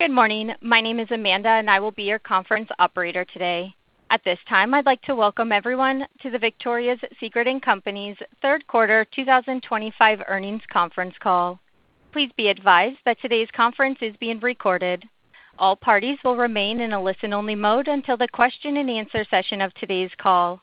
Good morning. My name is Amanda, and I will be your conference operator today. At this time, I'd like to welcome everyone to the Victoria's Secret & Company's third quarter 2025 earnings conference call. Please be advised that today's conference is being recorded. All parties will remain in a listen-only mode until the question-and-answer session of today's call.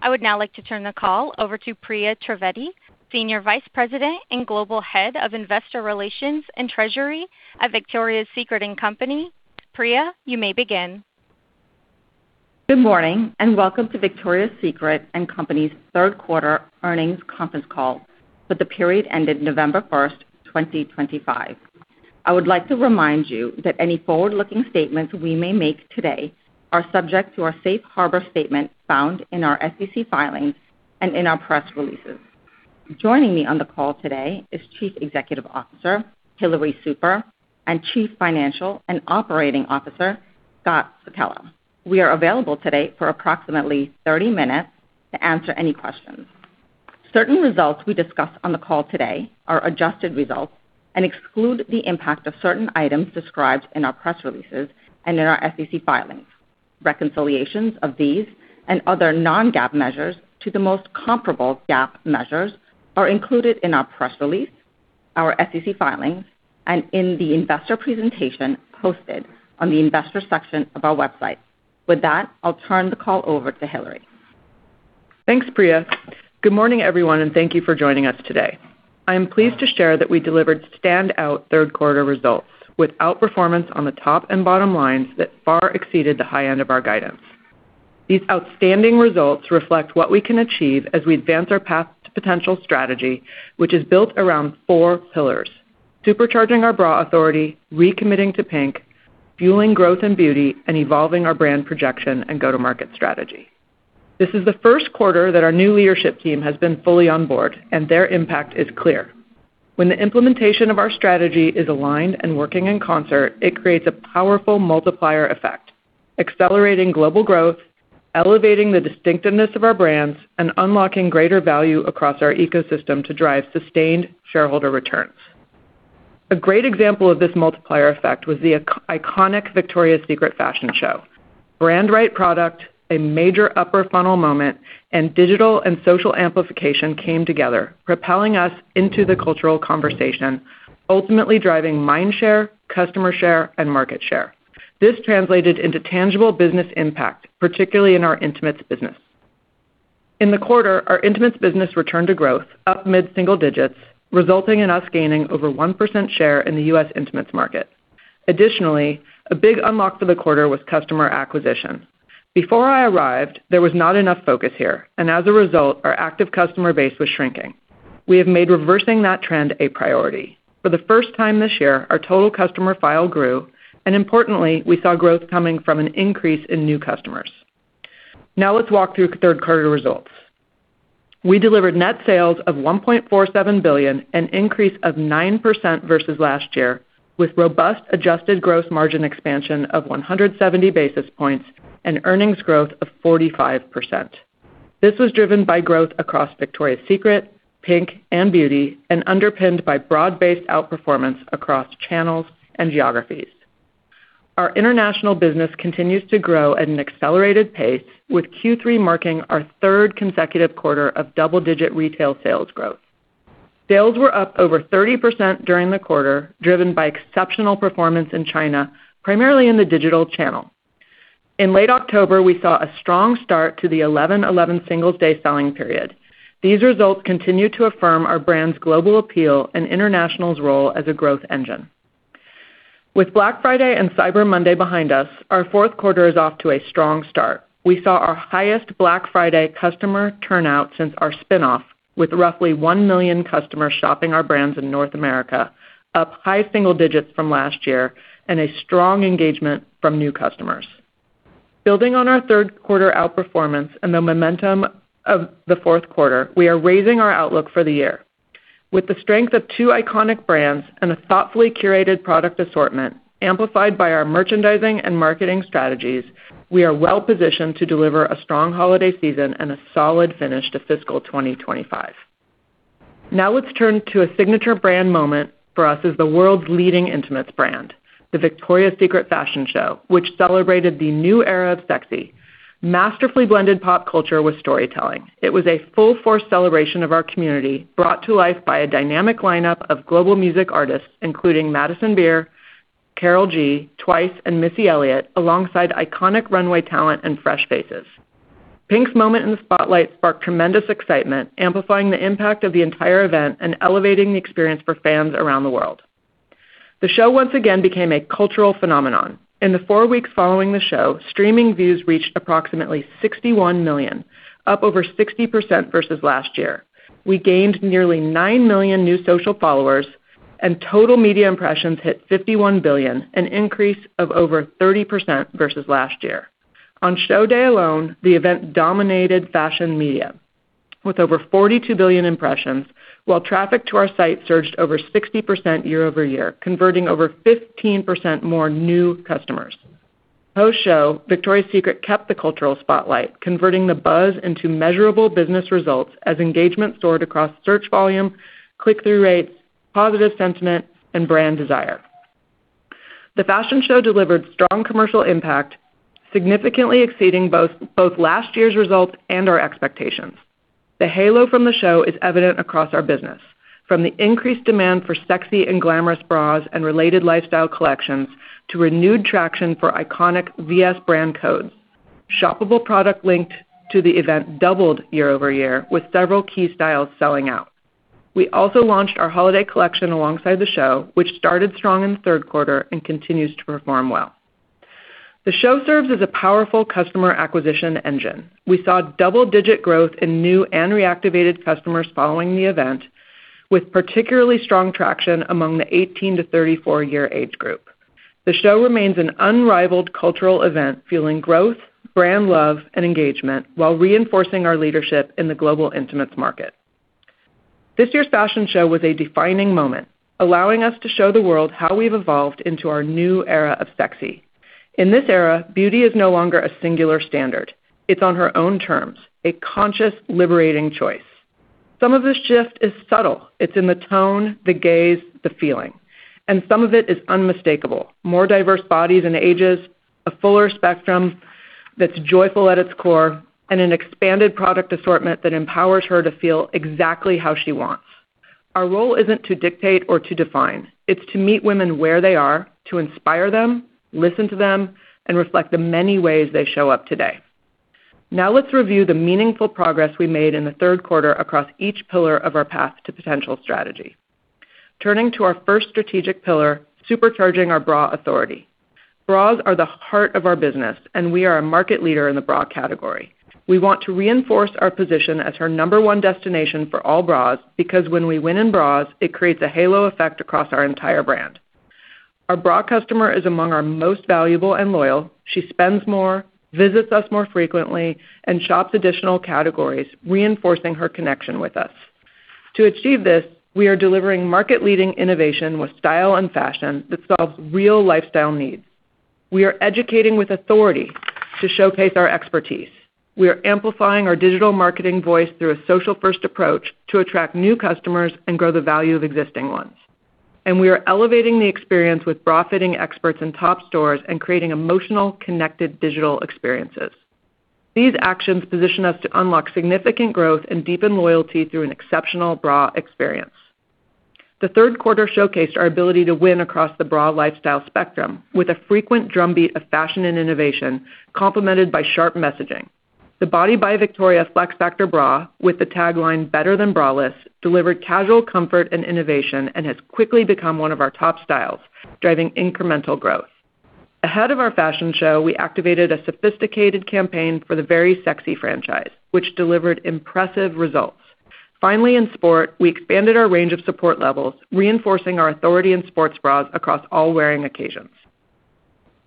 I would now like to turn the call over to Priya Trivedi, Senior Vice President and Global Head of Investor Relations and Treasury at Victoria's Secret & Company. Priya, you may begin. Good morning, and welcome to Victoria's Secret & Company's third quarter earnings conference call for the period ended November 1st, 2025. I would like to remind you that any forward-looking statements we may make today are subject to our safe harbor statement found in our SEC filings and in our press releases. Joining me on the call today is Chief Executive Officer Hillary Super and Chief Financial and Operating Officer Scott Sekella. We are available today for approximately 30 minutes to answer any questions. Certain results we discuss on the call today are adjusted results and exclude the impact of certain items described in our press releases and in our SEC filings. Reconciliations of these and other non-GAAP measures to the most comparable GAAP measures are included in our press release, our SEC filings, and in the investor presentation posted on the investor section of our website. With that, I'll turn the call over to Hillary. Thanks, Priya. Good morning, everyone, and thank you for joining us today. I'm pleased to share that we delivered standout third-quarter results with outperformance on the top and bottom lines that far exceeded the high end of our guidance. These outstanding results reflect what we can achieve as we advance our Path to Potential strategy, which is built around four pillars: Supercharging Our Bra Authority, Recommitting to PINK, Fueling Growth and Beauty, and Evolving Our Brand Projection and go-to-market strategy. This is the first quarter that our new leadership team has been fully on board, and their impact is clear. When the implementation of our strategy is aligned and working in concert, it creates a powerful multiplier effect, accelerating global growth, elevating the distinctiveness of our brands, and unlocking greater value across our ecosystem to drive sustained shareholder returns. A great example of this multiplier effect was the iconic Victoria's Secret fashion show. Brand right product, a major upper funnel moment, and digital and social amplification came together, propelling us into the cultural conversation, ultimately driving mind share, customer share, and market share. This translated into tangible business impact, particularly in our intimates business. In the quarter, our intimates business returned to growth, up mid-single digits, resulting in us gaining over 1% share in the U.S. intimates market. Additionally, a big unlock for the quarter was customer acquisition. Before I arrived, there was not enough focus here, and as a result, our active customer base was shrinking. We have made reversing that trend a priority. For the first time this year, our total customer file grew, and importantly, we saw growth coming from an increase in new customers. Now let's walk through third-quarter results. We delivered net sales of $1.47 billion, an increase of 9% versus last year, with robust adjusted gross margin expansion of 170 basis points and earnings growth of 45%. This was driven by growth across Victoria's Secret, PINK, and Beauty, and underpinned by broad-based outperformance across channels and geographies. Our international business continues to grow at an accelerated pace, with Q3 marking our third consecutive quarter of double-digit retail sales growth. Sales were up over 30% during the quarter, driven by exceptional performance in China, primarily in the digital channel. In late October, we saw a strong start to the 11.11 Singles' Day selling period. These results continue to affirm our brand's global appeal and international's role as a growth engine. With Black Friday and Cyber Monday behind us, our fourth quarter is off to a strong start. We saw our highest Black Friday customer turnout since our spinoff, with roughly one million customers shopping our brands in North America, up high single digits from last year, and a strong engagement from new customers. Building on our third-quarter outperformance and the momentum of the fourth quarter, we are raising our outlook for the year. With the strength of two iconic brands and a thoughtfully curated product assortment, amplified by our merchandising and marketing strategies, we are well positioned to deliver a strong holiday season and a solid finish to fiscal 2025. Now let's turn to a signature brand moment for us as the world's leading intimates brand, the Victoria's Secret fashion show, which celebrated the new era of sexy, masterfully blended pop culture with storytelling. It was a full-force celebration of our community, brought to life by a dynamic lineup of global music artists, including Madison Beer, Karol G, TWICE, and Missy Elliott, alongside iconic runway talent and fresh faces. PINK's moment in the spotlight sparked tremendous excitement, amplifying the impact of the entire event and elevating the experience for fans around the world. The show once again became a cultural phenomenon. In the four weeks following the show, streaming views reached approximately 61 million, up over 60% versus last year. We gained nearly 9 million new social followers, and total media impressions hit 51 billion, an increase of over 30% versus last year. On show day alone, the event dominated fashion media with over 42 billion impressions, while traffic to our site surged over 60% year-over-year, converting over 15% more new customers. Post-show, Victoria's Secret kept the cultural spotlight, converting the buzz into measurable business results as engagement soared across search volume, click-through rates, positive sentiment, and brand desire. The fashion show delivered strong commercial impact, significantly exceeding both last year's results and our expectations. The halo from the show is evident across our business, from the increased demand for sexy and glamorous bras and related lifestyle collections to renewed traction for iconic VS brand codes. Shoppable product linked to the event doubled year-over-year, with several key styles selling out. We also launched our holiday collection alongside the show, which started strong in the third quarter and continues to perform well. The show serves as a powerful customer acquisition engine. We saw double-digit growth in new and reactivated customers following the event, with particularly strong traction among the 18- to 34-year age group. The show remains an unrivaled cultural event, fueling growth, brand love, and engagement, while reinforcing our leadership in the global intimates market. This year's fashion show was a defining moment, allowing us to show the world how we've evolved into our new era of sexy. In this era, beauty is no longer a singular standard. It's on her own terms, a conscious, liberating choice. Some of this shift is subtle. It's in the tone, the gaze, the feeling. And some of it is unmistakable: more diverse bodies and ages, a fuller spectrum that's joyful at its core, and an expanded product assortment that empowers her to feel exactly how she wants. Our role isn't to dictate or to define. It's to meet women where they are, to inspire them, listen to them, and reflect the many ways they show up today. Now let's review the meaningful progress we made in the third quarter across each pillar of our Path to Potential strategy. Turning to our first strategic pillar, Supercharging Our Bra Authority. Bras are the heart of our business, and we are a market leader in the bra category. We want to reinforce our position as her number one destination for all bras because when we win in bras, it creates a halo effect across our entire brand. Our bra customer is among our most valuable and loyal. She spends more, visits us more frequently, and shops additional categories, reinforcing her connection with us. To achieve this, we are delivering market-leading innovation with style and fashion that solves real lifestyle needs. We are educating with authority to showcase our expertise. We are amplifying our digital marketing voice through a social-first approach to attract new customers and grow the value of existing ones. And we are elevating the experience with bra-fitting experts in top stores and creating emotional, connected digital experiences. These actions position us to unlock significant growth and deepen loyalty through an exceptional bra experience. The third quarter showcased our ability to win across the bra lifestyle spectrum with a frequent drumbeat of fashion and innovation, complemented by sharp messaging. The Body by Victoria FlexFactor Bra with the tagline "Better than braless" delivered casual comfort and innovation and has quickly become one of our top styles, driving incremental growth. Ahead of our fashion show, we activated a sophisticated campaign for the Very Sexy franchise, which delivered impressive results. Finally, in sport, we expanded our range of support levels, reinforcing our authority in sports bras across all wearing occasions.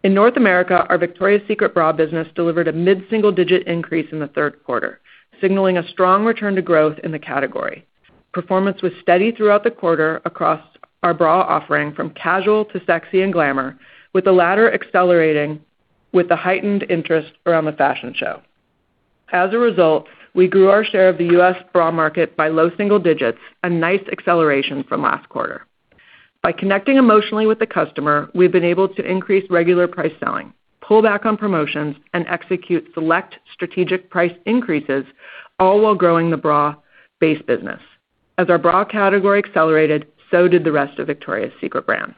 In North America, our Victoria's Secret Bra business delivered a mid-single digit increase in the third quarter, signaling a strong return to growth in the category. Performance was steady throughout the quarter across our bra offering from casual to sexy and glamour, with the latter accelerating with the heightened interest around the fashion show. As a result, we grew our share of the U.S. bra market by low single digits, a nice acceleration from last quarter. By connecting emotionally with the customer, we've been able to increase regular price selling, pull back on promotions, and execute select strategic price increases, all while growing the bra-based business. As our bra category accelerated, so did the rest of Victoria's Secret brand.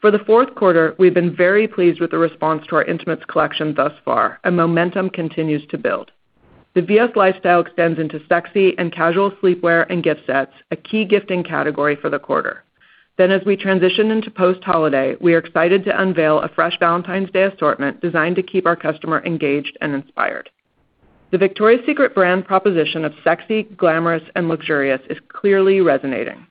For the fourth quarter, we've been very pleased with the response to our intimates collection thus far, and momentum continues to build. The VS lifestyle extends into sexy and casual sleepwear and gift sets, a key gifting category for the quarter. Then, as we transition into post-holiday, we are excited to unveil a fresh Valentine's Day assortment designed to keep our customer engaged and inspired. The Victoria's Secret brand proposition of sexy, glamorous, and luxurious is clearly resonating.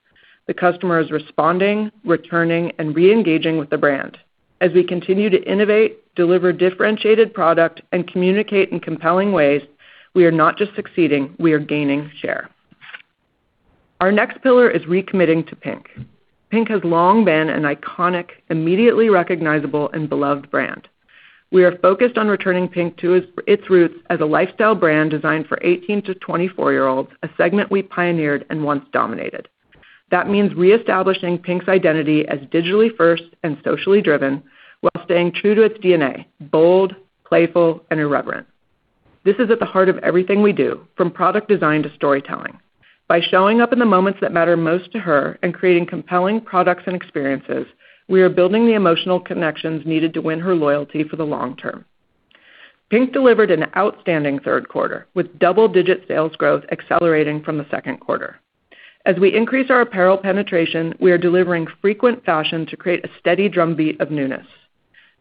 The customer is responding, returning, and re-engaging with the brand. As we continue to innovate, deliver differentiated product, and communicate in compelling ways, we are not just succeeding. We are gaining share. Our next pillar is Recommitting to PINK. PINK has long been an iconic, immediately recognizable, and beloved brand. We are focused on returning PINK to its roots as a lifestyle brand designed for 18- to 24-year-olds, a segment we pioneered and once dominated. That means reestablishing PINK's identity as digitally first and socially driven while staying true to its DNA: bold, playful, and irreverent. This is at the heart of everything we do, from product design to storytelling. By showing up in the moments that matter most to her and creating compelling products and experiences, we are building the emotional connections needed to win her loyalty for the long term. PINK delivered an outstanding third quarter, with double-digit sales growth accelerating from the second quarter. As we increase our apparel penetration, we are delivering frequent fashion to create a steady drumbeat of newness.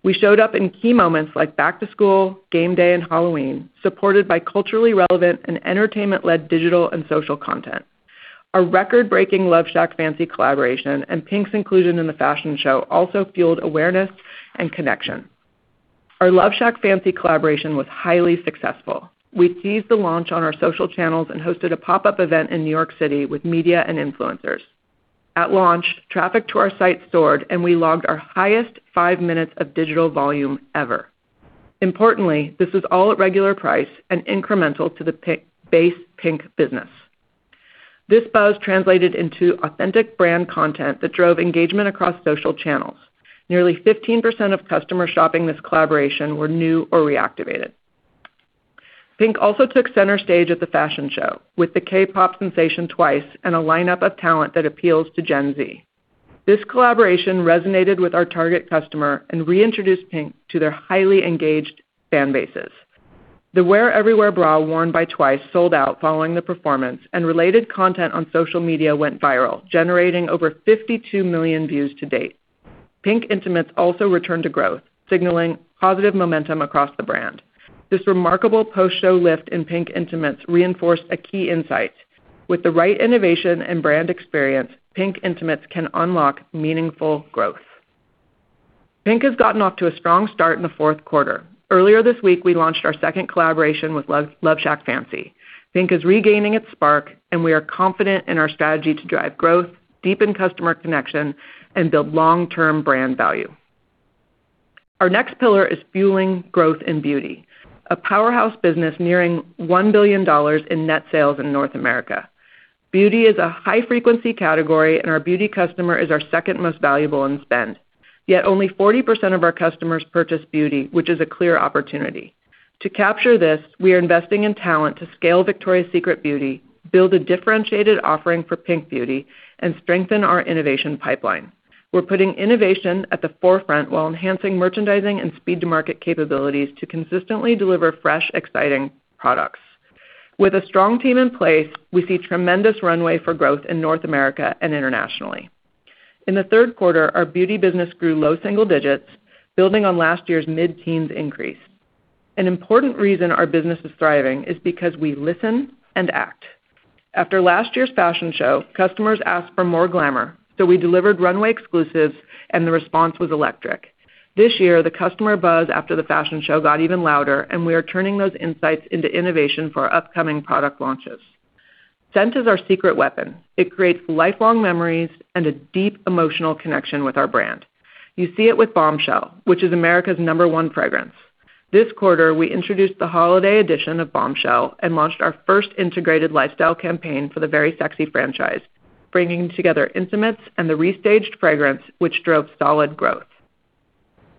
We showed up in key moments like Back-to-School, Game Day, and Halloween, supported by culturally relevant and entertainment-led digital and social content. Our record-breaking LoveShackFancy collaboration and PINK's inclusion in the fashion show also fueled awareness and connection. Our LoveShackFancy collaboration was highly successful. We teased the launch on our social channels and hosted a pop-up event in New York City with media and influencers. At launch, traffic to our site soared, and we logged our highest five minutes of digital volume ever. Importantly, this was all at regular price and incremental to the base PINK business. This buzz translated into authentic brand content that drove engagement across social channels. Nearly 15% of customers shopping this collaboration were new or reactivated. PINK also took center stage at the fashion show with the K-pop sensation TWICE and a lineup of talent that appeals to Gen Z. This collaboration resonated with our target customer and reintroduced PINK to their highly engaged fan bases. The Wear Everywhere Bra worn by TWICE sold out following the performance, and related content on social media went viral, generating over 52 million views to date. PINK intimates also returned to growth, signaling positive momentum across the brand. This remarkable post-show lift in PINK intimates reinforced a key insight: with the right innovation and brand experience, PINK intimates can unlock meaningful growth. PINK has gotten off to a strong start in the fourth quarter. Earlier this week, we launched our second collaboration with LoveShackFancy. PINK is regaining its spark, and we are confident in our strategy to drive growth, deepen customer connection, and build long-term brand value. Our next pillar is Fueling Growth in Beauty, a powerhouse business nearing $1 billion in net sales in North America. Beauty is a high-frequency category, and our Beauty customer is our second most valuable in spend. Yet only 40% of our customers purchase Beauty, which is a clear opportunity. To capture this, we are investing in talent to scale Victoria's Secret Beauty, build a differentiated offering for PINK and Beauty, and strengthen our innovation pipeline. We're putting innovation at the forefront while enhancing merchandising and speed-to-market capabilities to consistently deliver fresh, exciting products. With a strong team in place, we see tremendous runway for growth in North America and internationally. In the third quarter, our Beauty business grew low single digits, building on last year's mid-teens increase. An important reason our business is thriving is because we listen and act. After last year's fashion show, customers asked for more glamour, so we delivered runway exclusives, and the response was electric. This year, the customer buzz after the fashion show got even louder, and we are turning those insights into innovation for our upcoming product launches. Scent is our secret weapon. It creates lifelong memories and a deep emotional connection with our brand. You see it with Bombshell, which is America's number one fragrance. This quarter, we introduced the holiday edition of Bombshell and launched our first integrated lifestyle campaign for the Very Sexy franchise, bringing together intimates and the restaged fragrance, which drove solid growth.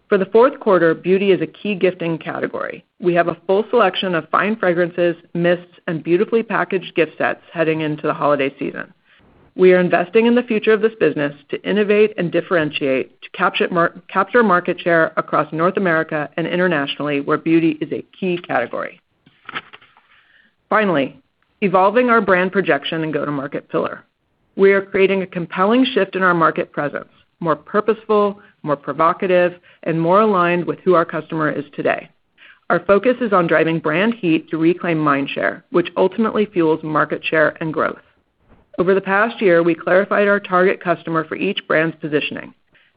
For the fourth quarter, Beauty is a key gifting category. We have a full selection of fine fragrances, mists, and beautifully packaged gift sets heading into the holiday season. We are investing in the future of this business to innovate and differentiate, to capture market share across North America and internationally, where Beauty is a key category. Finally, Evolving Our Brand Projection and go-to-market pillar. We are creating a compelling shift in our market presence: more purposeful, more provocative, and more aligned with who our customer is today. Our focus is on driving brand heat to reclaim mindshare, which ultimately fuels market share and growth. Over the past year, we clarified our target customer for each brand's positioning.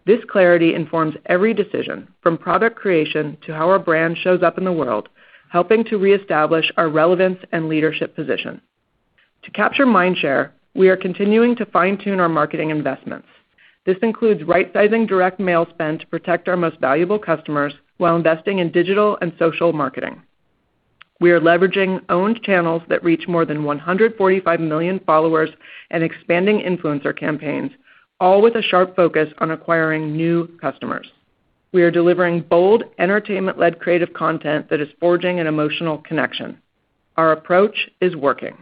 This clarity informs every decision, from product creation to how our brand shows up in the world, helping to reestablish our relevance and leadership position. To capture mindshare, we are continuing to fine-tune our marketing investments. This includes rightsizing direct mail spend to protect our most valuable customers while investing in digital and social marketing. We are leveraging owned channels that reach more than 145 million followers and expanding influencer campaigns, all with a sharp focus on acquiring new customers. We are delivering bold, entertainment-led creative content that is forging an emotional connection. Our approach is working.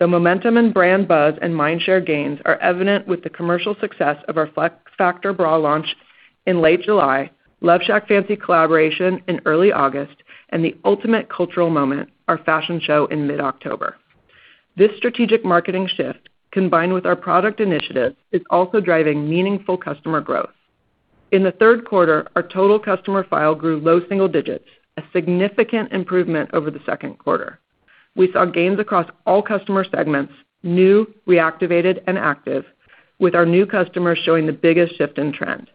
The momentum in brand buzz and mindshare gains are evident with the commercial success of our FlexFactor bra launch in late July, LoveShackFancy collaboration in early August, and the ultimate cultural moment, our fashion show in mid-October. This strategic marketing shift, combined with our product initiative, is also driving meaningful customer growth. In the third quarter, our total customer file grew low single digits, a significant improvement over the second quarter. We saw gains across all customer segments: new, reactivated, and active, with our new customers showing the biggest shift in trend.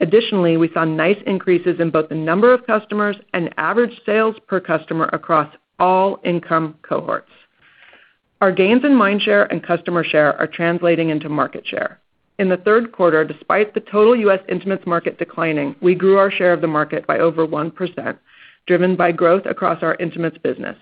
Additionally, we saw nice increases in both the number of customers and average sales per customer across all income cohorts. Our gains in mindshare and customer share are translating into market share. In the third quarter, despite the total U.S. intimates market declining, we grew our share of the market by over 1%, driven by growth across our intimates business.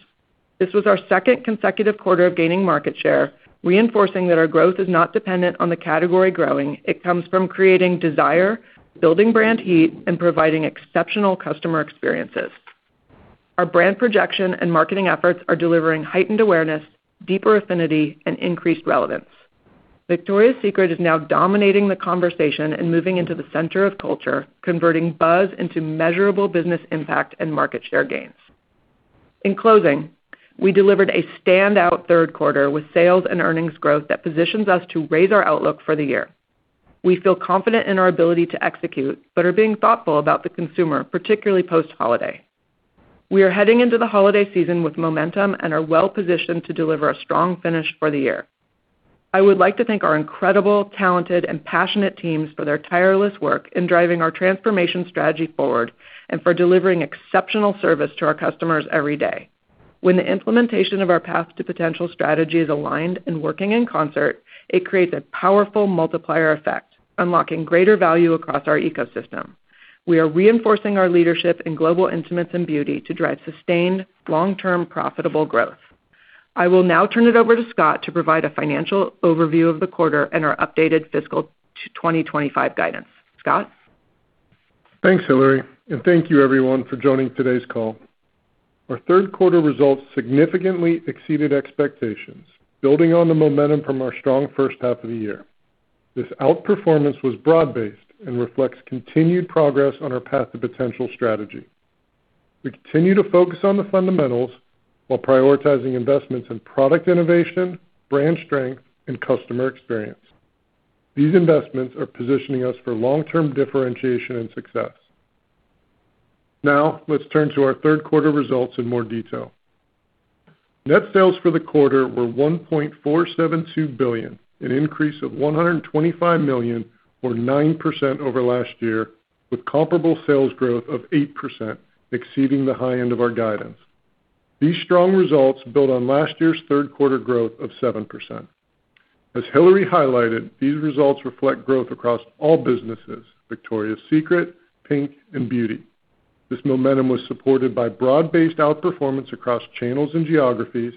This was our second consecutive quarter of gaining market share, reinforcing that our growth is not dependent on the category growing. It comes from creating desire, building brand heat, and providing exceptional customer experiences. Our brand projection and marketing efforts are delivering heightened awareness, deeper affinity, and increased relevance. Victoria's Secret is now dominating the conversation and moving into the center of culture, converting buzz into measurable business impact and market share gains. In closing, we delivered a standout third quarter with sales and earnings growth that positions us to raise our outlook for the year. We feel confident in our ability to execute but are being thoughtful about the consumer, particularly post-holiday. We are heading into the holiday season with momentum and are well-positioned to deliver a strong finish for the year. I would like to thank our incredible, talented, and passionate teams for their tireless work in driving our transformation strategy forward and for delivering exceptional service to our customers every day. When the implementation of our Path to Potential strategy is aligned and working in concert, it creates a powerful multiplier effect, unlocking greater value across our ecosystem. We are reinforcing our leadership in global intimates and beauty to drive sustained, long-term, profitable growth. I will now turn it over to Scott to provide a financial overview of the quarter and our updated fiscal 2025 guidance. Scott? Thanks, Hillary, and thank you, everyone, for joining today's call. Our third quarter results significantly exceeded expectations, building on the momentum from our strong first half of the year. This outperformance was broad-based and reflects continued progress on our Path to Potential strategy. We continue to focus on the fundamentals while prioritizing investments in product innovation, brand strength, and customer experience. These investments are positioning us for long-term differentiation and success. Now, let's turn to our third quarter results in more detail. Net sales for the quarter were $1.472 billion, an increase of $125 million, or 9% over last year, with comparable sales growth of 8%, exceeding the high end of our guidance. These strong results build on last year's third quarter growth of 7%. As Hillary highlighted, these results reflect growth across all businesses: Victoria's Secret, PINK, and Beauty. This momentum was supported by broad-based outperformance across channels and geographies,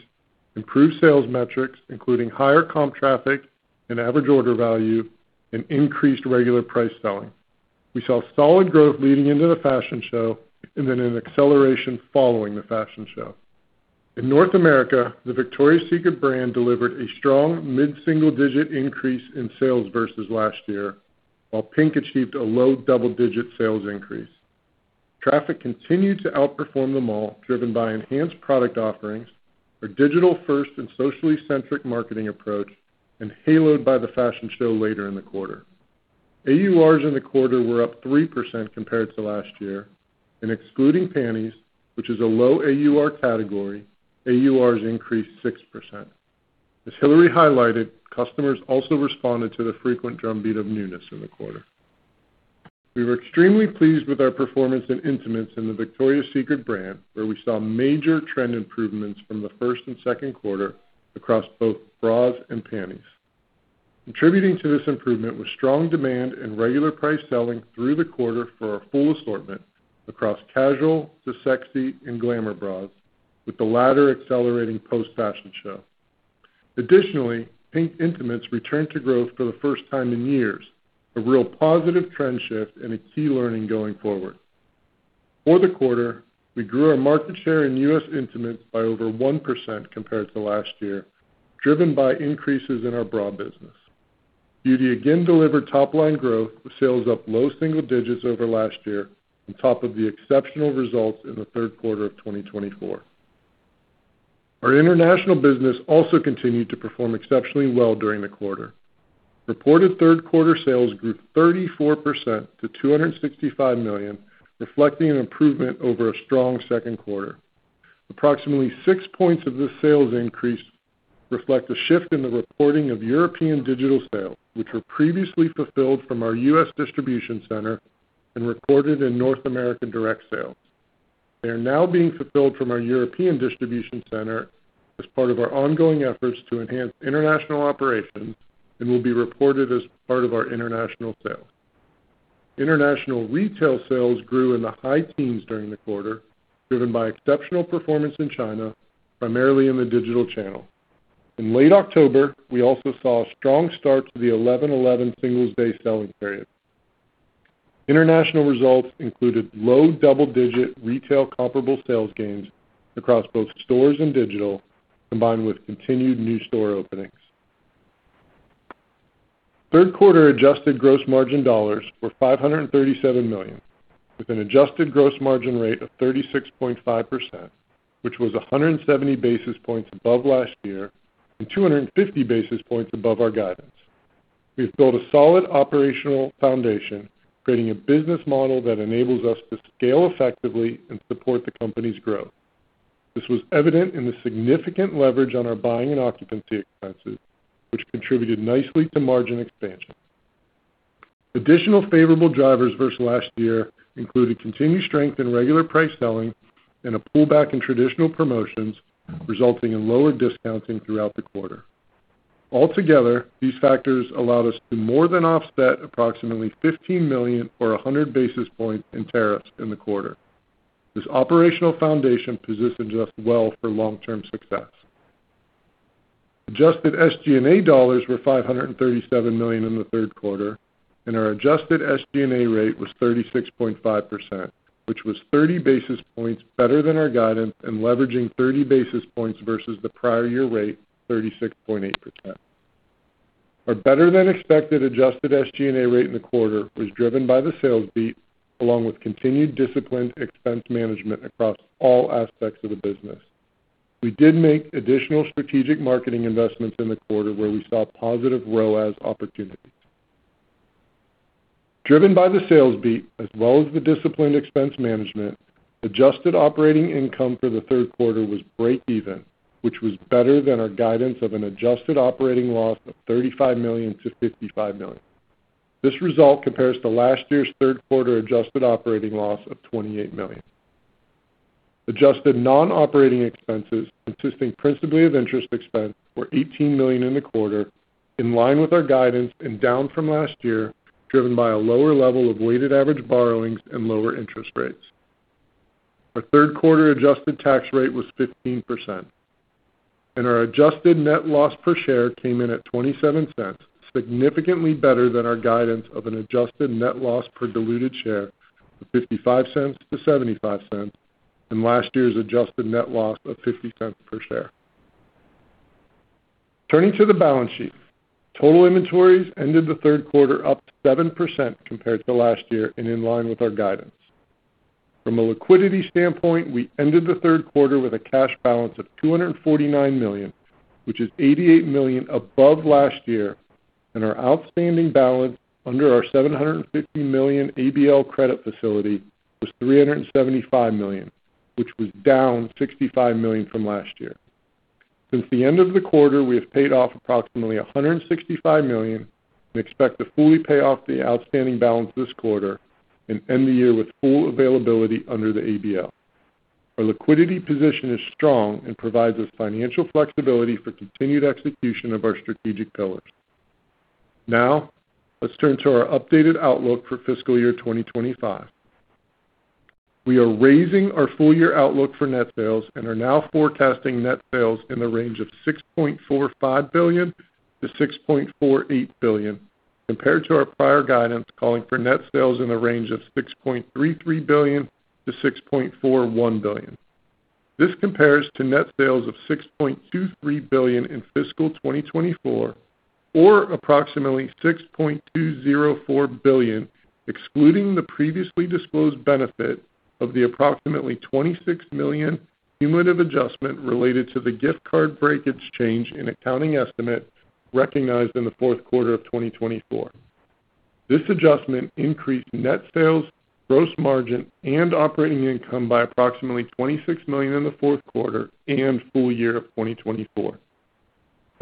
improved sales metrics, including higher comp traffic and average order value, and increased regular price selling. We saw solid growth leading into the fashion show and then an acceleration following the fashion show. In North America, the Victoria's Secret brand delivered a strong mid-single-digit increase in sales versus last year, while PINK achieved a low double-digit sales increase. Traffic continued to outperform them all, driven by enhanced product offerings, our digital-first and socially-centric marketing approach, and haloed by the fashion show later in the quarter. AURs in the quarter were up 3% compared to last year, and excluding panties, which is a low AUR category, AURs increased 6%. As Hillary highlighted, customers also responded to the frequent drumbeat of newness in the quarter. We were extremely pleased with our performance in intimates and the Victoria's Secret brand, where we saw major trend improvements from the first and second quarter across both bras and panties. Contributing to this improvement was strong demand and regular price selling through the quarter for our full assortment across casual to sexy and glamour bras, with the latter accelerating post-fashion show. Additionally, PINK intimates returned to growth for the first time in years, a real positive trend shift and a key learning going forward. For the quarter, we grew our market share in U.S. intimates by over 1% compared to last year, driven by increases in our bra business. Beauty again delivered top-line growth, with sales up low single digits over last year, on top of the exceptional results in the third quarter of 2024. Our international business also continued to perform exceptionally well during the quarter. Reported third quarter sales grew 34% to $265 million, reflecting an improvement over a strong second quarter. Approximately six points of this sales increase reflect a shift in the reporting of European digital sales, which were previously fulfilled from our U.S. distribution center and recorded in North America direct sales. They are now being fulfilled from our European distribution center as part of our ongoing efforts to enhance international operations and will be reported as part of our international sales. International retail sales grew in the high teens during the quarter, driven by exceptional performance in China, primarily in the digital channel. In late October, we also saw a strong start to the 11.11 Singles' Day selling period. International results included low double-digit retail comparable sales gains across both stores and digital, combined with continued new store openings. Third quarter adjusted gross margin dollars were $537 million, with an adjusted gross margin rate of 36.5%, which was 170 basis points above last year and 250 basis points above our guidance. We have built a solid operational foundation, creating a business model that enables us to scale effectively and support the company's growth. This was evident in the significant leverage on our buying and occupancy expenses, which contributed nicely to margin expansion. Additional favorable drivers versus last year included continued strength in regular price selling and a pullback in traditional promotions, resulting in lower discounting throughout the quarter. Altogether, these factors allowed us to more than offset approximately $15 million or 100 basis points in tariffs in the quarter. This operational foundation positions us well for long-term success. Adjusted SG&A dollars were $537 million in the third quarter, and our adjusted SG&A rate was 36.5%, which was 30 basis points better than our guidance and leveraging 30 basis points versus the prior year rate, 36.8%. Our better-than-expected adjusted SG&A rate in the quarter was driven by the sales beat, along with continued disciplined expense management across all aspects of the business. We did make additional strategic marketing investments in the quarter where we saw positive ROAS opportunities. Driven by the sales beat, as well as the disciplined expense management, adjusted operating income for the third quarter was break-even, which was better than our guidance of an adjusted operating loss of $35 million-$55 million. This result compares to last year's third quarter adjusted operating loss of $28 million. Adjusted non-operating expenses, consisting principally of interest expense, were $18 million in the quarter, in line with our guidance and down from last year, driven by a lower level of weighted average borrowings and lower interest rates. Our third quarter adjusted tax rate was 15%, and our adjusted net loss per share came in at $0.27, significantly better than our guidance of an adjusted net loss per diluted share of $0.55-$0.75 and last year's adjusted net loss of $0.50 per share. Turning to the balance sheet, total inventories ended the third quarter up 7% compared to last year and in line with our guidance. From a liquidity standpoint, we ended the third quarter with a cash balance of $249 million, which is $88 million above last year, and our outstanding balance under our $750 million ABL credit facility was $375 million, which was down $65 million from last year. Since the end of the quarter, we have paid off approximately $165 million and expect to fully pay off the outstanding balance this quarter and end the year with full availability under the ABL. Our liquidity position is strong and provides us financial flexibility for continued execution of our strategic pillars. Now, let's turn to our updated outlook for fiscal year 2025. We are raising our full-year outlook for net sales and are now forecasting net sales in the range of $6.45 billion-$6.48 billion, compared to our prior guidance calling for net sales in the range of $6.33 billion-$6.41 billion. This compares to net sales of $6.23 billion in fiscal 2024, or approximately $6.204 billion, excluding the previously disclosed benefit of the approximately $26 million cumulative adjustment related to the gift card breakage change in accounting estimate recognized in the fourth quarter of 2024. This adjustment increased net sales, gross margin, and operating income by approximately $26 million in the fourth quarter and full year of 2024.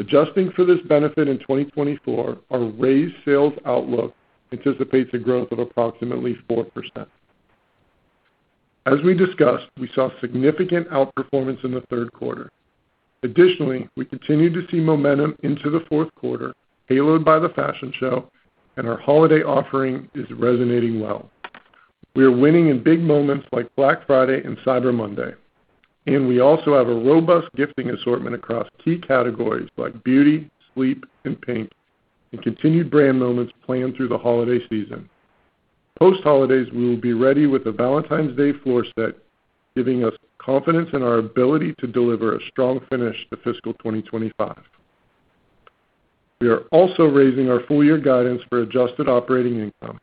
Adjusting for this benefit in 2024, our raised sales outlook anticipates a growth of approximately 4%. As we discussed, we saw significant outperformance in the third quarter. Additionally, we continue to see momentum into the fourth quarter, haloed by the fashion show, and our holiday offering is resonating well. We are winning in big moments like Black Friday and Cyber Monday, and we also have a robust gifting assortment across key categories like Beauty, Sleep, and PINK, and continued brand moments planned through the holiday season. Post-holidays, we will be ready with a Valentine's Day floor set, giving us confidence in our ability to deliver a strong finish to fiscal 2025. We are also raising our full-year guidance for adjusted operating income,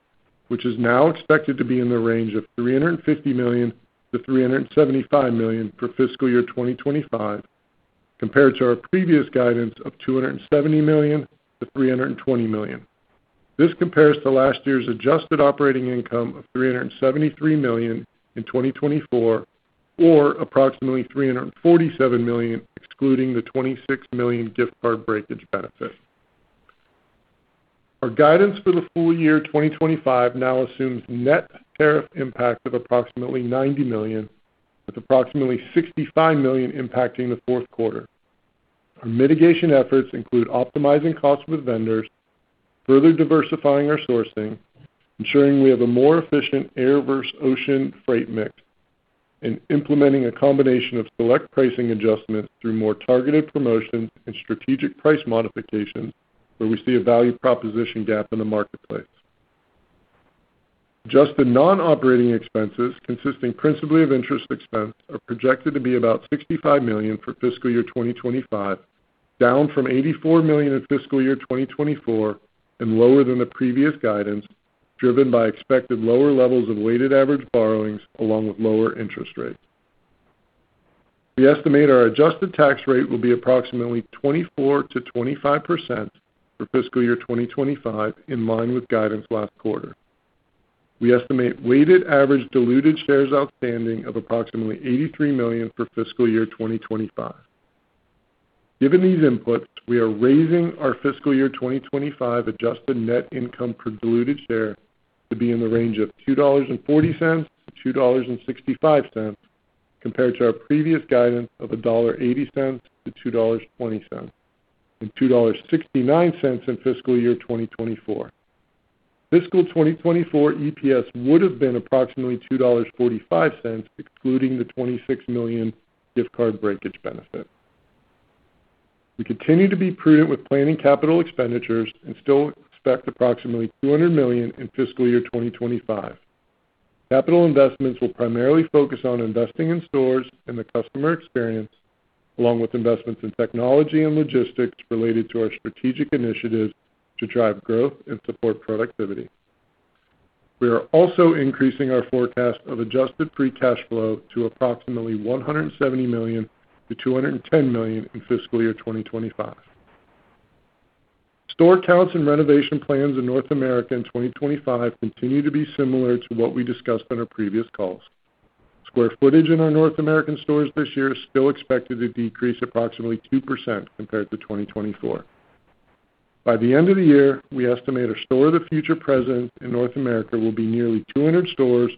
which is now expected to be in the range of $350 million-$375 million for fiscal year 2025, compared to our previous guidance of $270 million-$320 million. This compares to last year's adjusted operating income of $373 million in 2024, or approximately $347 million, excluding the $26 million gift card breakage benefit. Our guidance for the full year 2025 now assumes net tariff impact of approximately $90 million, with approximately $65 million impacting the fourth quarter. Our mitigation efforts include optimizing costs with vendors, further diversifying our sourcing, ensuring we have a more efficient air versus ocean freight mix, and implementing a combination of select pricing adjustments through more targeted promotions and strategic price modifications where we see a value proposition gap in the marketplace. Adjusted non-operating expenses, consisting principally of interest expense, are projected to be about $65 million for fiscal year 2025, down from $84 million in fiscal year 2024 and lower than the previous guidance, driven by expected lower levels of weighted average borrowings along with lower interest rates. We estimate our adjusted tax rate will be approximately 24%-25% for fiscal year 2025, in line with guidance last quarter. We estimate weighted average diluted shares outstanding of approximately $83 million for fiscal year 2025. Given these inputs, we are raising our fiscal year 2025 adjusted net income per diluted share to be in the range of $2.40-$2.65, compared to our previous guidance of $1.80-$2.20 and $2.69 in fiscal year 2024. Fiscal 2024 EPS would have been approximately $2.45, excluding the $26 million gift card breakage benefit. We continue to be prudent with planning capital expenditures and still expect approximately $200 million in fiscal year 2025. Capital investments will primarily focus on investing in stores and the customer experience, along with investments in technology and logistics related to our strategic initiatives to drive growth and support productivity. We are also increasing our forecast of adjusted free cash flow to approximately $170 million-$210 million in fiscal year 2025. Store counts and renovation plans in North America in 2025 continue to be similar to what we discussed in our previous calls. Square footage in our North American stores this year is still expected to decrease approximately 2% compared to 2024. By the end of the year, we estimate our Store of the Future presence in North America will be nearly 200 stores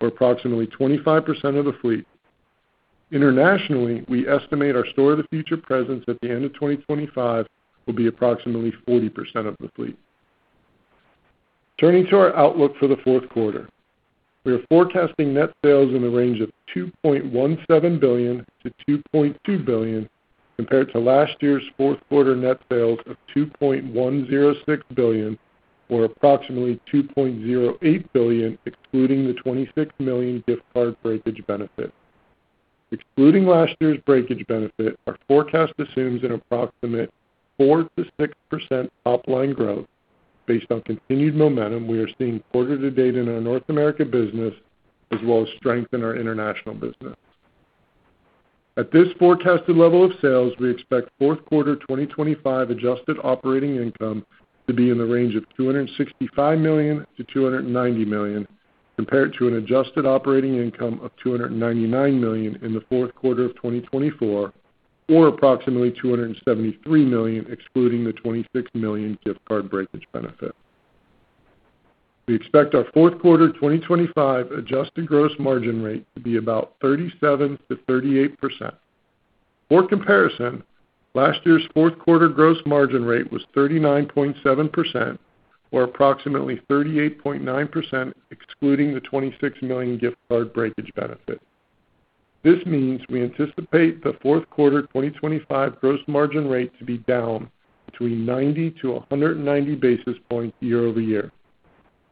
or approximately 25% of the fleet. Internationally, we estimate our Store of the Future presence at the end of 2025 will be approximately 40% of the fleet. Turning to our outlook for the fourth quarter, we are forecasting net sales in the range of $2.17 billion-$2.2 billion, compared to last year's fourth quarter net sales of $2.106 billion, or approximately $2.08 billion, excluding the $26 million gift card breakage benefit. Excluding last year's breakage benefit, our forecast assumes an approximate 4%-6% top-line growth based on continued momentum we are seeing quarter to date in our North America business, as well as strength in our international business. At this forecasted level of sales, we expect fourth quarter 2025 adjusted operating income to be in the range of $265 million-$290 million, compared to an adjusted operating income of $299 million in the fourth quarter of 2024, or approximately $273 million, excluding the $26 million gift card breakage benefit. We expect our fourth quarter 2025 adjusted gross margin rate to be about 37%-38%. For comparison, last year's fourth quarter gross margin rate was 39.7%, or approximately 38.9%, excluding the $26 million gift card breakage benefit. This means we anticipate the fourth quarter 2025 gross margin rate to be down between 90 basis points-190 basis points year-over-year.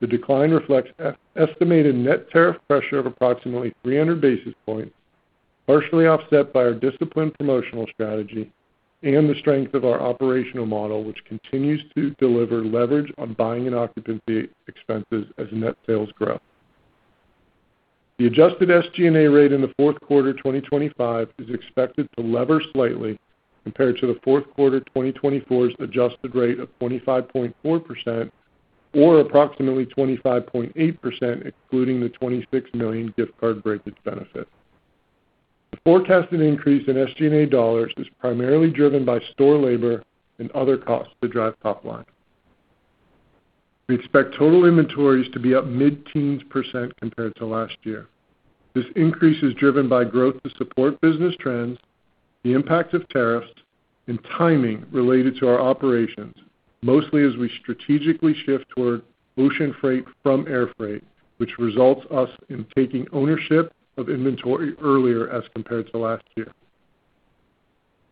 The decline reflects estimated net tariff pressure of approximately 300 basis points, partially offset by our disciplined promotional strategy and the strength of our operational model, which continues to deliver leverage on buying and occupancy expenses as net sales grow. The adjusted SG&A rate in the fourth quarter 2025 is expected to lever slightly compared to the fourth quarter 2024's adjusted rate of 25.4%, or approximately 25.8%, excluding the $26 million gift card breakage benefit. The forecasted increase in SG&A dollars is primarily driven by store labor and other costs to drive top line. We expect total inventories to be up mid-teens percent compared to last year. This increase is driven by growth to support business trends, the impact of tariffs, and timing related to our operations, mostly as we strategically shift toward ocean freight from air freight, which results in us taking ownership of inventory earlier as compared to last year.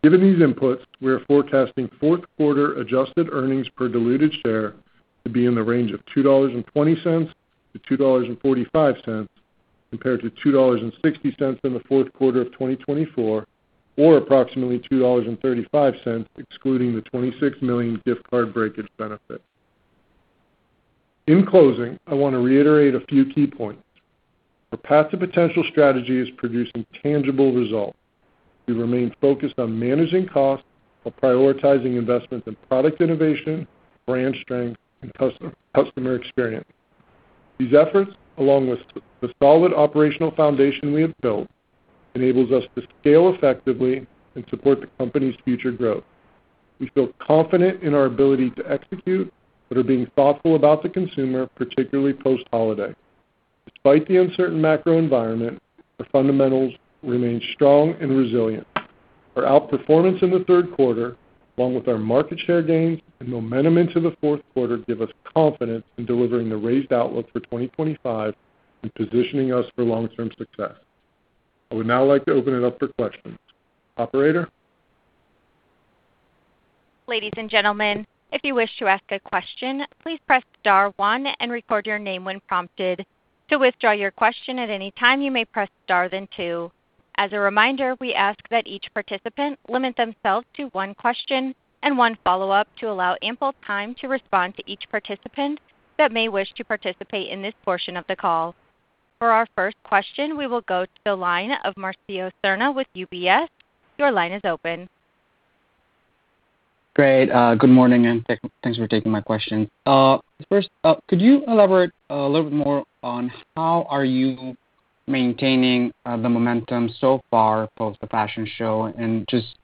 Given these inputs, we are forecasting fourth quarter adjusted earnings per diluted share to be in the range of $2.20-$2.45, compared to $2.60 in the fourth quarter of 2024, or approximately $2.35, excluding the $26 million gift card breakage benefit. In closing, I want to reiterate a few key points. Our Path to Potential strategy is producing tangible results. We remain focused on managing costs while prioritizing investments in product innovation, brand strength, and customer experience. These efforts, along with the solid operational foundation we have built, enable us to scale effectively and support the company's future growth. We feel confident in our ability to execute but are being thoughtful about the consumer, particularly post-holiday. Despite the uncertain macro environment, our fundamentals remain strong and resilient. Our outperformance in the third quarter, along with our market share gains and momentum into the fourth quarter, give us confidence in delivering the raised outlook for 2025 and positioning us for long-term success. I would now like to open it up for questions. Operator? Ladies and gentlemen, if you wish to ask a question, please press star one and record your name when prompted. To withdraw your question at any time, you may press star then two. As a reminder, we ask that each participant limit themselves to one question and one follow-up to allow ample time to respond to each participant that may wish to participate in this portion of the call. For our first question, we will go to the line of Mauricio Serna with UBS. Your line is open. Great. Good morning and thanks for taking my question. First, could you elaborate a little bit more on how are you maintaining the momentum so far post the fashion show and just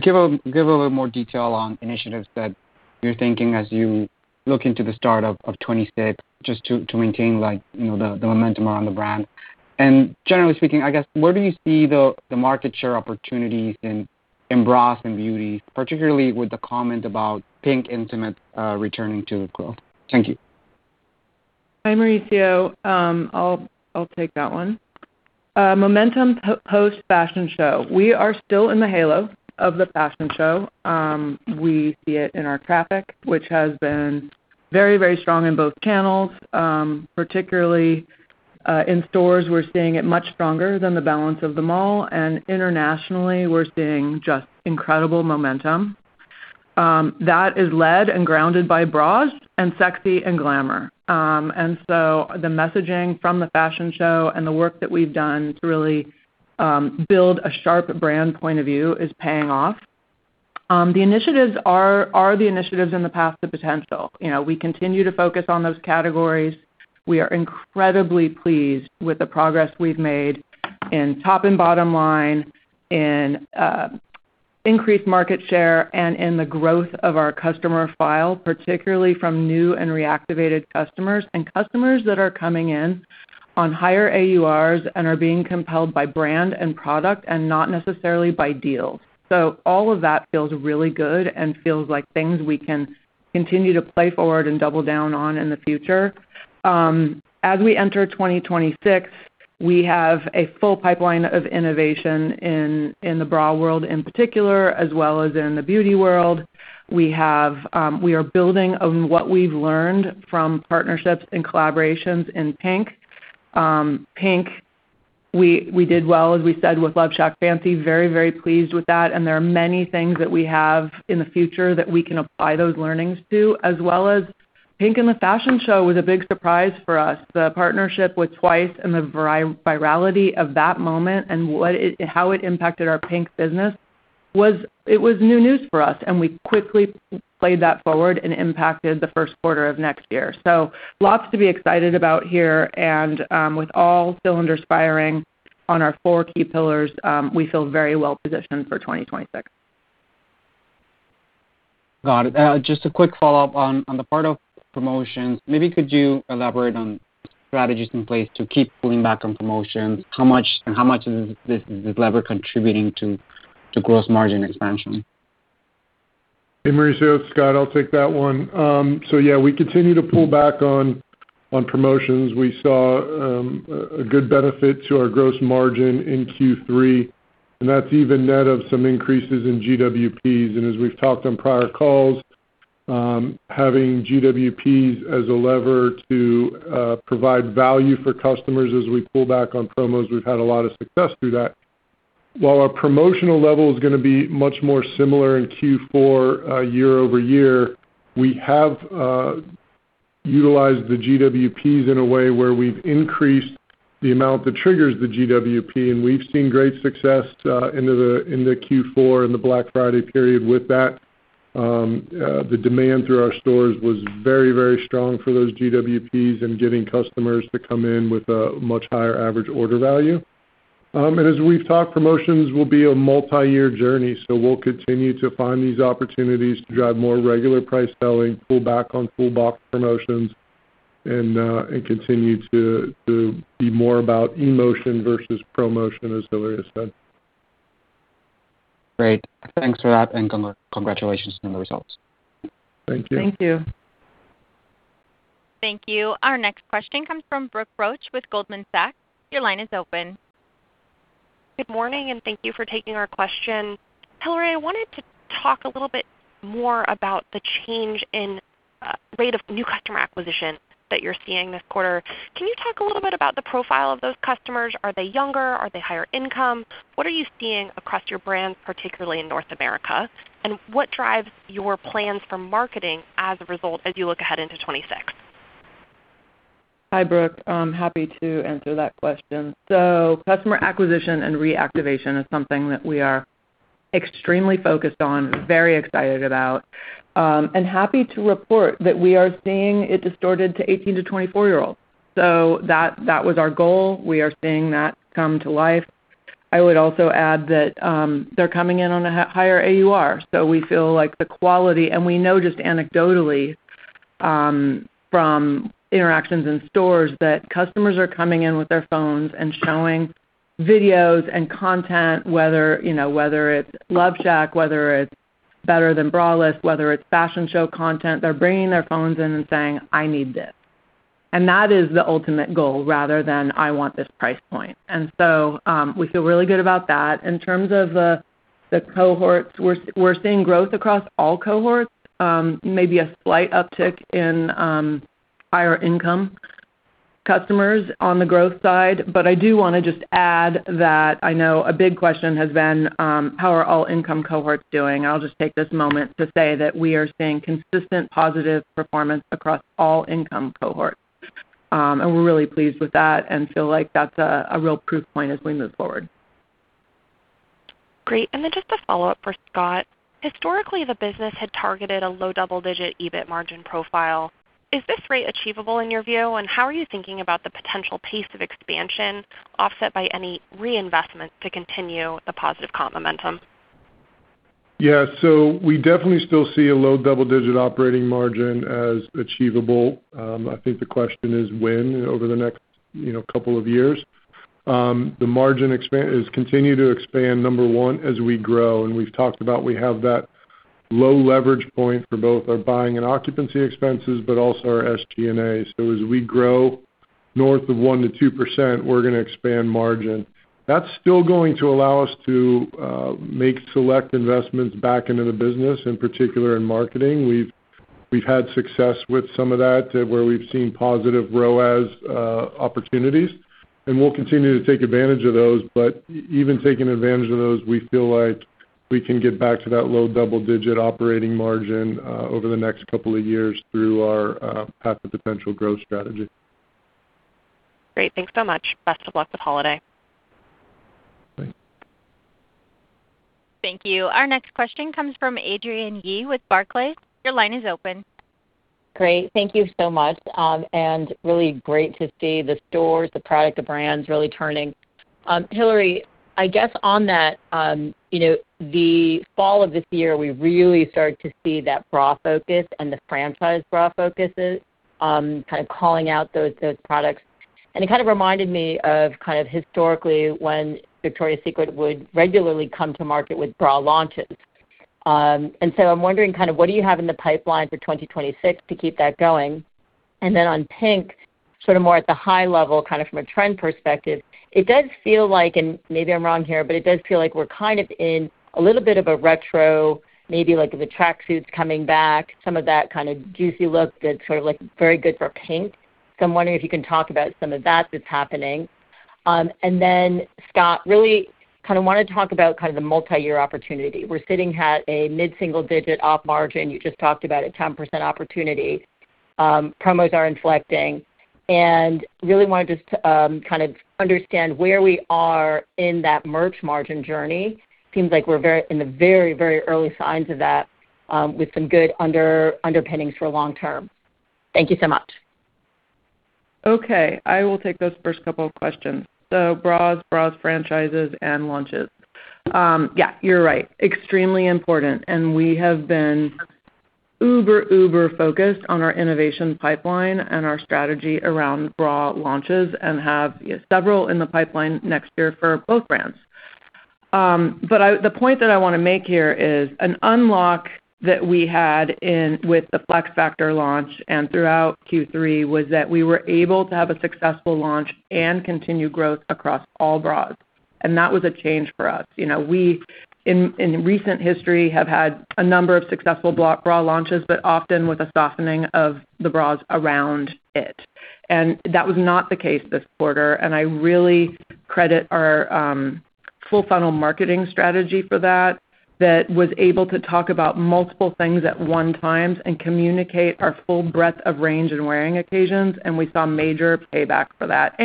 give a little more detail on initiatives that you're thinking as you look into the start of 2026 just to maintain the momentum around the brand? And generally speaking, I guess, where do you see the market share opportunities in bras and beauty, particularly with the comment about PINK intimates returning to growth? Hi, Mauricio. I'll take that one. Momentum post fashion show. We are still in the halo of the fashion show. We see it in our traffic, which has been very, very strong in both channels, particularly in stores. We're seeing it much stronger than the balance of them all. And internationally, we're seeing just incredible momentum. That is led and grounded by bras and sexy and glamour. And so the messaging from the fashion show and the work that we've done to really build a sharp brand point of view is paying off. The initiatives are the initiatives in the Path to Potential. We continue to focus on those categories. We are incredibly pleased with the progress we've made in top and bottom line, in increased market share, and in the growth of our customer file, particularly from new and reactivated customers and customers that are coming in on higher AURs and are being compelled by brand and product and not necessarily by deals. So all of that feels really good and feels like things we can continue to play forward and double down on in the future. As we enter 2026, we have a full pipeline of innovation in the bra world in particular, as well as in the beauty world. We are building on what we've learned from partnerships and collaborations in PINK. PINK, we did well, as we said, with LoveShackFancy. Very, very pleased with that, and there are many things that we have in the future that we can apply those learnings to, as well as PINK in the fashion show was a big surprise for us. The partnership with TWICE and the virality of that moment and how it impacted our PINK business. It was new news for us, and we quickly played that forward and impacted the first quarter of next year, so lots to be excited about here, and with all cylinders firing on our four key pillars, we feel very well positioned for 2026. Got it. Just a quick follow-up on the part of promotions. Maybe could you elaborate on strategies in place to keep pulling back on promotions? How much is this lever contributing to gross margin expansion? Hey, Mauricio. Scott, I'll take that one. So yeah, we continue to pull back on promotions. We saw a good benefit to our gross margin in Q3. And that's even net of some increases in GWPs. And as we've talked on prior calls, having GWPs as a lever to provide value for customers as we pull back on promos, we've had a lot of success through that. While our promotional level is going to be much more similar in Q4 year-over-year, we have utilized the GWPs in a way where we've increased the amount that triggers the GWP. And we've seen great success into Q4 in the Black Friday period with that. The demand through our stores was very, very strong for those GWPs and getting customers to come in with a much higher average order value. And as we've talked, promotions will be a multi-year journey. So we'll continue to find these opportunities to drive more regular price selling, pull back on full box promotions, and continue to be more about emotion versus promotion, as Hillary said. Great. Thanks for that. And congratulations on the results. Thank you. Thank you. Thank you. Our next question comes from Brooke Roach with Goldman Sachs. Your line is open. Good morning. And thank you for taking our question. Hillary, I wanted to talk a little bit more about the change in rate of new customer acquisition that you're seeing this quarter. Can you talk a little bit about the profile of those customers? Are they younger? Are they higher income? What are you seeing across your brands, particularly in North America? And what drives your plans for marketing as a result as you look ahead into 2026? Hi, Brooke. Happy to answer that question. So customer acquisition and reactivation is something that we are extremely focused on, very excited about. And happy to report that we are seeing it directed to 18- to 24-year-olds. So that was our goal. We are seeing that come to life. I would also add that they're coming in on a higher AUR. So we feel like the quality, and we know just anecdotally from interactions in stores, that customers are coming in with their phones and showing videos and content, whether it's LoveShackFancy, whether it's better than braless, whether it's fashion show content. They're bringing their phones in and saying, "I need this." And that is the ultimate goal rather than "I want this price point." And so we feel really good about that. In terms of the cohorts, we're seeing growth across all cohorts, maybe a slight uptick in higher income customers on the growth side. But I do want to just add that I know a big question has been, "How are all income cohorts doing?" I'll just take this moment to say that we are seeing consistent positive performance across all income cohorts. And we're really pleased with that and feel like that's a real proof point as we move forward. Great. And then just to follow up for Scott, historically, the business had targeted a low double-digit EBIT margin profile. Is this rate achievable in your view? And how are you thinking about the potential pace of expansion offset by any reinvestment to continue the positive comp momentum? Yeah. So we definitely still see a low double-digit operating margin as achievable.I think the question is when over the next couple of years. The margin is continuing to expand, number one, as we grow. And we've talked about, we have that low leverage point for both our buying and occupancy expenses, but also our SG&A. So as we grow north of 1%-2%, we're going to expand margin. That's still going to allow us to make select investments back into the business, in particular in marketing. We've had success with some of that where we've seen positive ROAS opportunities. And we'll continue to take advantage of those. But even taking advantage of those, we feel like we can get back to that low double-digit operating margin over the next couple of years through our Path to Potential growth strategy. Great. Thanks so much. Best of luck with holiday. Thank you. Our next question comes from Adrienne Yih with Barclays. Your line is open. Great. Thank you so much. And really great to see the stores, the product, the brands really turning. Hillary, I guess on that, the fall of this year, we really started to see that bra focus and the franchise bra focus kind of calling out those products. And it kind of reminded me of kind of historically when Victoria's Secret would regularly come to market with bra launches. And so I'm wondering kind of what do you have in the pipeline for 2026 to keep that going? And then on PINK, sort of more at the high level, kind of from a trend perspective, it does feel like, and maybe I'm wrong here, but it does feel like we're kind of in a little bit of a retro, maybe like the tracksuits coming back, some of that kind of Juicy look that's sort of like very good for PINK. So I'm wondering if you can talk about some of that that's happening. And then, Scott, really kind of want to talk about kind of the multi-year opportunity. We're sitting at a mid-single digit op margin. You just talked about a 10% opportunity. Promos are inflecting. And really wanted to kind of understand where we are in that merch margin journey. Seems like we're in the very, very early signs of that with some good underpinnings for long term. Thank you so much. Okay, I will take those first couple of questions. So bras, bras franchises, and launches. Yeah, you're right. Extremely important. And we have been uber, uber focused on our innovation pipeline and our strategy around bra launches and have several in the pipeline next year for both brands. But the point that I want to make here is an unlock that we had with the FlexFactor launch and throughout Q3 was that we were able to have a successful launch and continue growth across all bras. And that was a change for us. We, in recent history, have had a number of successful bra launches, but often with a softening of the bras around it. And that was not the case this quarter. I really credit our full funnel marketing strategy for that, that was able to talk about multiple things at one time and communicate our full breadth of range and wearing occasions. We saw major payback for that.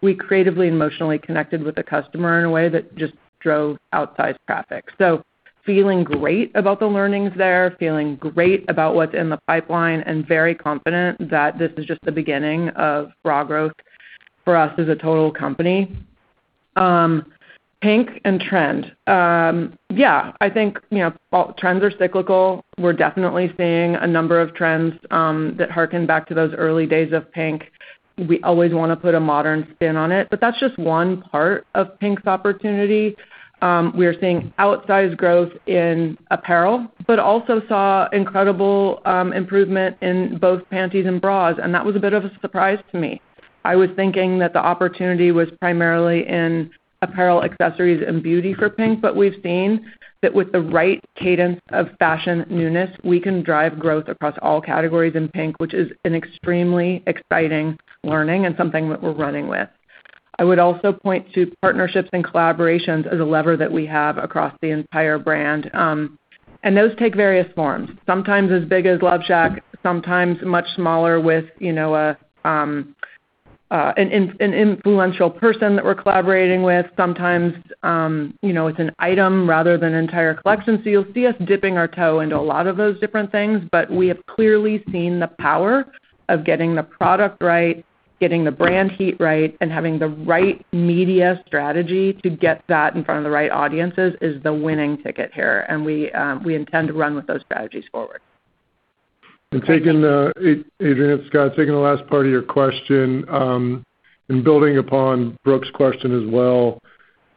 We creatively and emotionally connected with the customer in a way that just drove outsized traffic. Feeling great about the learnings there, feeling great about what's in the pipeline, and very confident that this is just the beginning of bra growth for us as a total company. PINK and trend. Yeah. I think trends are cyclical. We're definitely seeing a number of trends that harken back to those early days of PINK. We always want to put a modern spin on it. But that's just one part of PINK's opportunity. We are seeing outsized growth in apparel, but also saw incredible improvement in both panties and bras. And that was a bit of a surprise to me. I was thinking that the opportunity was primarily in apparel, accessories, and Beauty for PINK, but we've seen that with the right cadence of fashion newness, we can drive growth across all categories in PINK, which is an extremely exciting learning and something that we're running with. I would also point to partnerships and collaborations as a lever that we have across the entire brand. And those take various forms. Sometimes as big as LoveShack, sometimes much smaller with an influential person that we're collaborating with, sometimes it's an item rather than an entire collection. So you'll see us dipping our toe into a lot of those different things. But we have clearly seen the power of getting the product right, getting the brand heat right, and having the right media strategy to get that in front of the right audiences is the winning ticket here. And we intend to run with those strategies forward. And taking Adrienne, taking the last part of your question and building upon Brooke's question as well,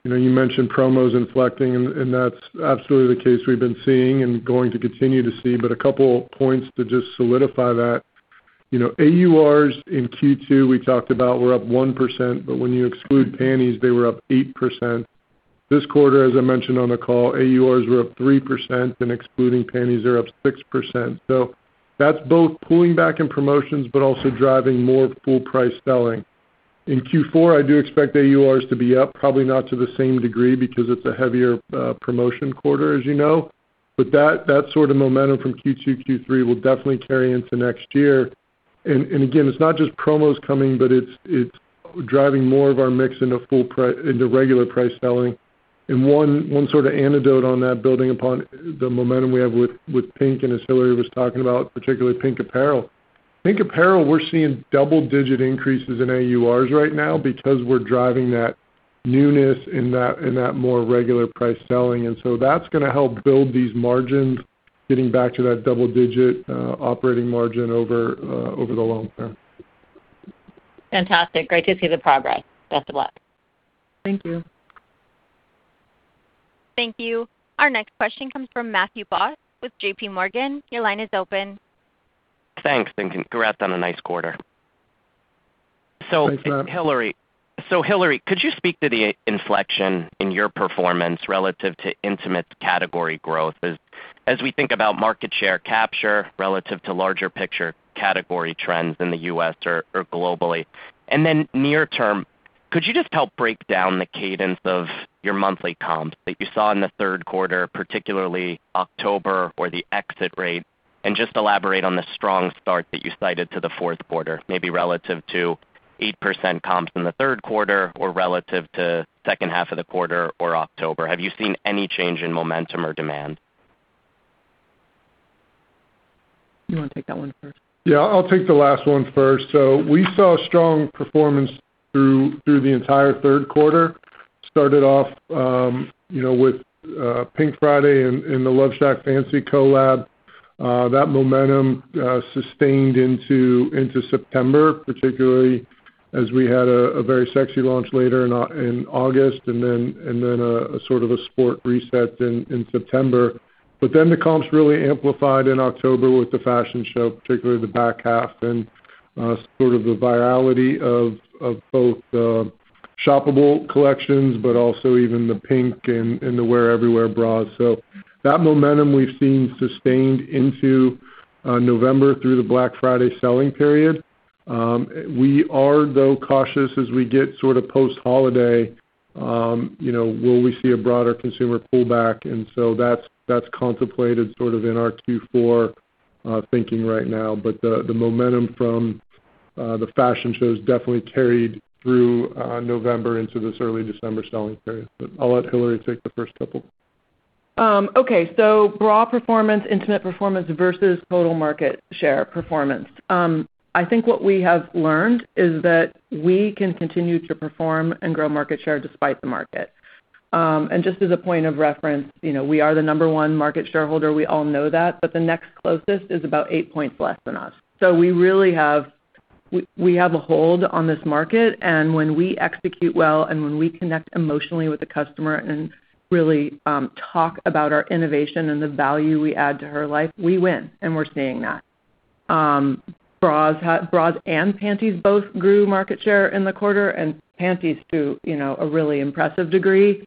you mentioned promos inflecting, and that's absolutely the case we've been seeing and going to continue to see. But a couple of points to just solidify that. AURs in Q2 we talked about were up 1%, but when you exclude panties, they were up 8%. This quarter, as I mentioned on the call, AURs were up 3%, and excluding panties, they're up 6%. So that's both pulling back in promotions, but also driving more full price selling. In Q4, I do expect AURs to be up, probably not to the same degree because it's a heavier promotion quarter, as you know. But that sort of momentum from Q2, Q3 will definitely carry into next year. And again, it's not just promos coming, but it's driving more of our mix into regular price selling. And one sort of anecdote on that, building upon the momentum we have with PINK, and as Hillary was talking about, particularly PINK apparel. PINK apparel, we're seeing double-digit increases in AURs right now because we're driving that newness in that more regular price selling. And so that's going to help build these margins, getting back to that double-digit operating margin over the long term. Fantastic. Great to see the progress. Best of luck. Thank you. Thank you. Our next question comes from Matthew Boss with JPMorgan. Your line is open. Thanks. Congrats on a nice quarter. Hillary, could you speak to the inflection in your performance relative to intimate category growth as we think about market share capture relative to larger picture category trends in the U.S. or globally? Near term, could you just help break down the cadence of your monthly comps that you saw in the third quarter, particularly October or the exit rate, and just elaborate on the strong start that you cited to the fourth quarter, maybe relative to 8% comps in the third quarter or relative to second half of the quarter or October? Have you seen any change in momentum or demand? You want to take that one first? Yeah. I'll take the last one first. We saw strong performance through the entire third quarter. Started off with PINK Friday and the LoveShackFancy collab. That momentum sustained into September, particularly as we had a Very Sexy launch later in August and then a sort of a sport reset in September. But then the comps really amplified in October with the fashion show, particularly the back half and sort of the virality of both shoppable collections, but also even the PINK and the Wear Everywhere bras. So that momentum we've seen sustained into November through the Black Friday selling period. We are, though, cautious as we get sort of post-holiday. Will we see a broader consumer pullback? And so that's contemplated sort of in our Q4 thinking right now. But the momentum from the fashion shows definitely carried through November into this early December selling period. But I'll let Hillary take the first couple. Okay. So bra performance, intimate performance versus total market share performance. I think what we have learned is that we can continue to perform and grow market share despite the market. And just as a point of reference, we are the number one market share holder. We all know that. But the next closest is about eight points less than us. So we really have a hold on this market. And when we execute well and when we connect emotionally with the customer and really talk about our innovation and the value we add to her life, we win. And we're seeing that. Bras and panties both grew market share in the quarter and panties to a really impressive degree.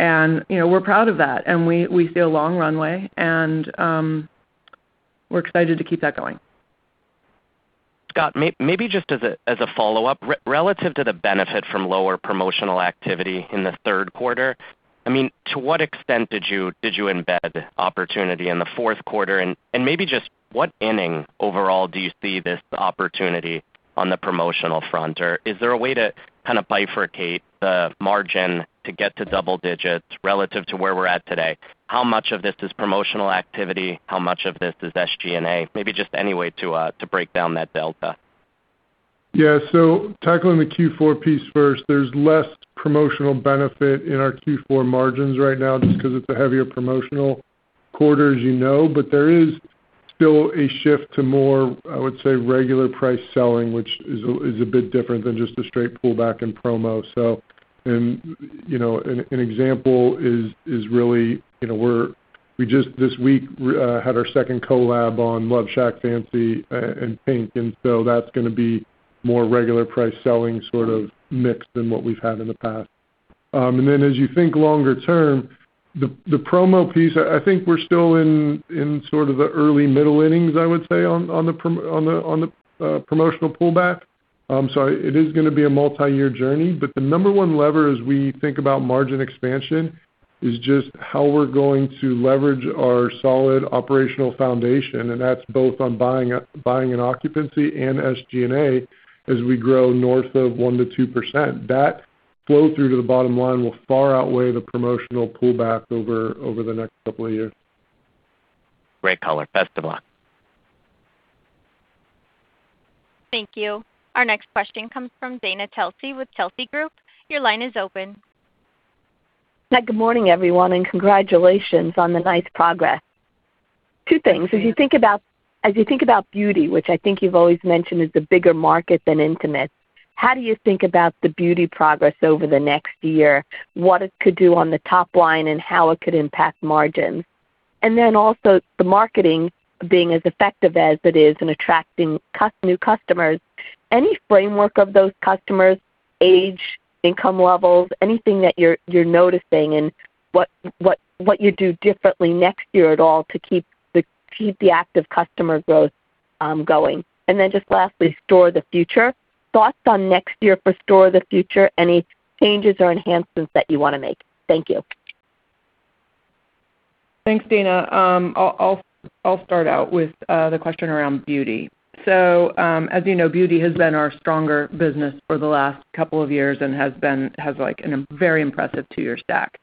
And we're proud of that. And we see a long runway. And we're excited to keep that going. Scott, maybe just as a follow-up, relative to the benefit from lower promotional activity in the third quarter, I mean, to what extent did you embed opportunity in the fourth quarter? And maybe just what inning overall do you see this opportunity on the promotional front? Or is there a way to kind of bifurcate the margin to get to double digits relative to where we're at today? How much of this is promotional activity? How much of this is SG&A? Maybe just any way to break down that delta. Yeah. So tackling the Q4 piece first, there's less promotional benefit in our Q4 margins right now just because it's a heavier promotional quarter, as you know. But there is still a shift to more, I would say, regular price selling, which is a bit different than just a straight pullback in promo. So an example is really we just this week had our second collab on LoveShackFancy and PINK. And so that's going to be more regular price selling sort of mix than what we've had in the past. And then as you think longer term, the promo piece, I think we're still in sort of the early middle innings, I would say, on the promotional pullback. So it is going to be a multi-year journey. But the number one lever as we think about margin expansion is just how we're going to leverage our solid operational foundation. And that's both on buying and occupancy and SG&A as we grow north of 1%-2%. That flow through to the bottom line will far outweigh the promotional pullback over the next couple of years. Great color. Best of luck. Our next question comes from Dana Telsey with Telsey Group. Your line is open. Good morning, everyone. And congratulations on the nice progress. Two things. As you think about Beauty, which I think you've always mentioned is a bigger market than intimate, how do you think about the Beauty progress over the next year, what it could do on the top line, and how it could impact margins? And then also the marketing being as effective as it is in attracting new customers, any framework of those customers, age, income levels, anything that you're noticing, and what you do differently next year at all to keep the active customer growth going? And then just lastly, Store of the Future. Thoughts on next year for Store of the Future, any changes or enhancements that you want to make? Thank you. Thanks, Dana. I'll start out with the question around Beauty. As you know, Beauty has been our stronger business for the last couple of years and has been very impressive two-year-stack.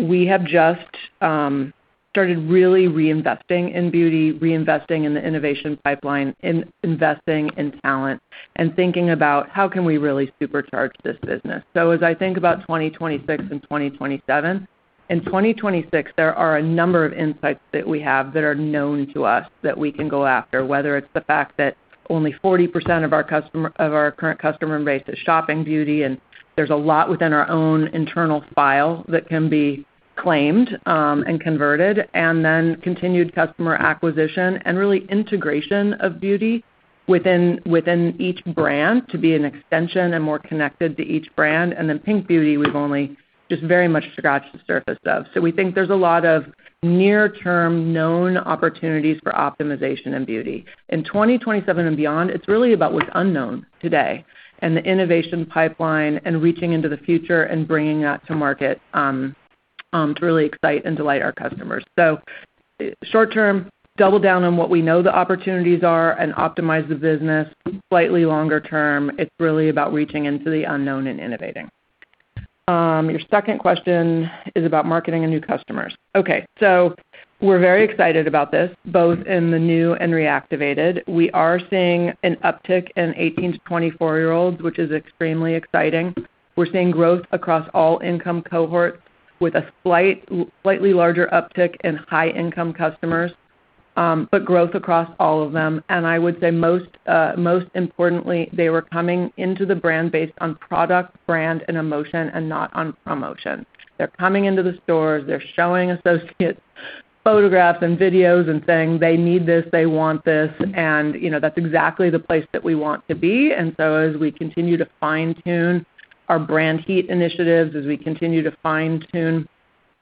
We have just started really reinvesting in Beauty, reinvesting in the innovation pipeline, investing in talent, and thinking about how can we really supercharge this business. As I think about 2026 and 2027, in 2026, there are a number of insights that we have that are known to us that we can go after, whether it's the fact that only 40% of our current customer base is shopping Beauty, and there's a lot within our own internal file that can be claimed and converted, and then continued customer acquisition and really integration of Beauty within each brand to be an extension and more connected to each brand. And then PINK Beauty, we've only just very much scratched the surface of. So we think there's a lot of near-term known opportunities for optimization in Beauty. In 2027 and beyond, it's really about what's unknown today and the innovation pipeline and reaching into the future and bringing that to market to really excite and delight our customers. So short term, double down on what we know the opportunities are and optimize the business. Slightly longer term, it's really about reaching into the unknown and innovating. Your second question is about marketing and new customers. Okay. So we're very excited about this, both in the new and reactivated. We are seeing an uptick in 18- to 24-year-olds, which is extremely exciting. We're seeing growth across all income cohorts with a slightly larger uptick in high-income customers, but growth across all of them. And I would say most importantly, they were coming into the brand based on product, brand, and emotion, and not on promotion. They're coming into the stores. They're showing associates photographs and videos and saying, "They need this. They want this." And that's exactly the place that we want to be. And so as we continue to fine-tune our brand heat initiatives, as we continue to fine-tune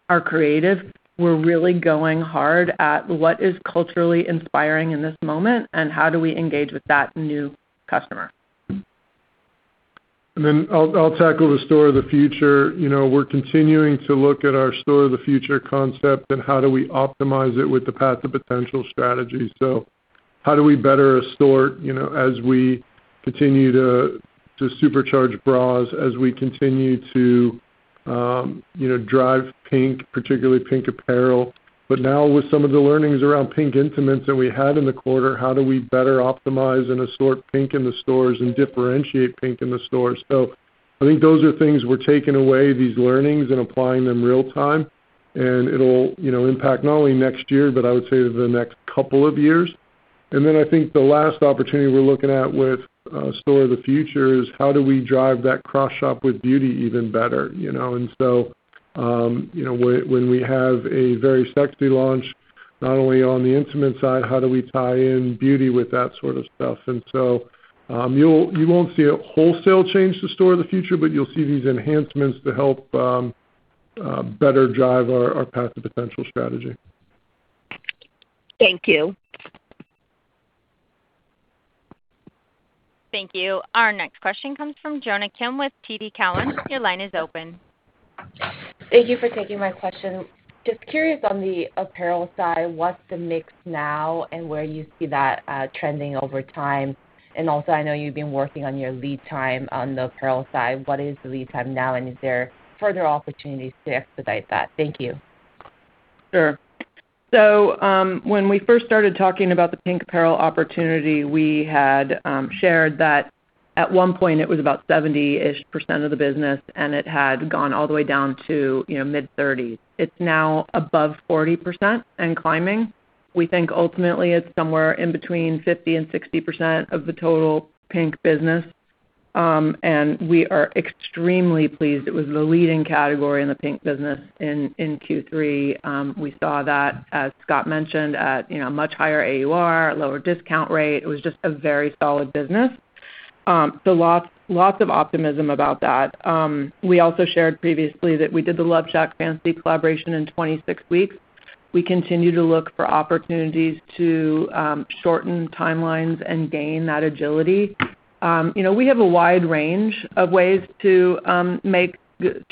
our creative, we're really going hard at what is culturally inspiring in this moment and how do we engage with that new customer. And then I'll tackle the Store of the Future. We're continuing to look at our Store of the Future concept and how do we optimize it with the Path to Potential strategy. So how do we better a store as we continue to supercharge bras, as we continue to drive PINK, particularly PINK apparel? But now with some of the learnings around PINK intimates that we had in the quarter, how do we better optimize and assort PINK in the stores and differentiate PINK in the stores? So I think those are things we're taking away these learnings and applying them real time. And it'll impact not only next year, but I would say the next couple of years. And then I think the last opportunity we're looking at with Store of the Future is how do we drive that cross-shop with Beauty even better? And so when we have a Very Sexy launch, not only on the intimate side, how do we tie in Beauty with that sort of stuff? And so you won't see a wholesale change to Store of the Future, but you'll see these enhancements to help better drive our Path to Potential strategy. Thank you. Thank you. Our next question comes from Jonna Kim with TD Cowen. Your line is open. Thank you for taking my question. Just curious on the apparel side, what's the mix now and where you see that trending over time? And also, I know you've been working on your lead time on the apparel side. What is the lead time now? And is there further opportunities to expedite that? Thank you. Sure. So when we first started talking about the PINK apparel opportunity, we had shared that at one point it was about 70-ish% of the business, and it had gone all the way down to mid-30s. It's now above 40% and climbing. We think ultimately it's somewhere in between 50% and 60% of the total PINK business. And we are extremely pleased. It was the leading category in the PINK business in Q3. We saw that, as Scott mentioned, at a much higher AUR, a lower discount rate. It was just a very solid business, so lots of optimism about that. We also shared previously that we did the LoveShackFancy collaboration in 26 weeks. We continue to look for opportunities to shorten timelines and gain that agility. We have a wide range of ways to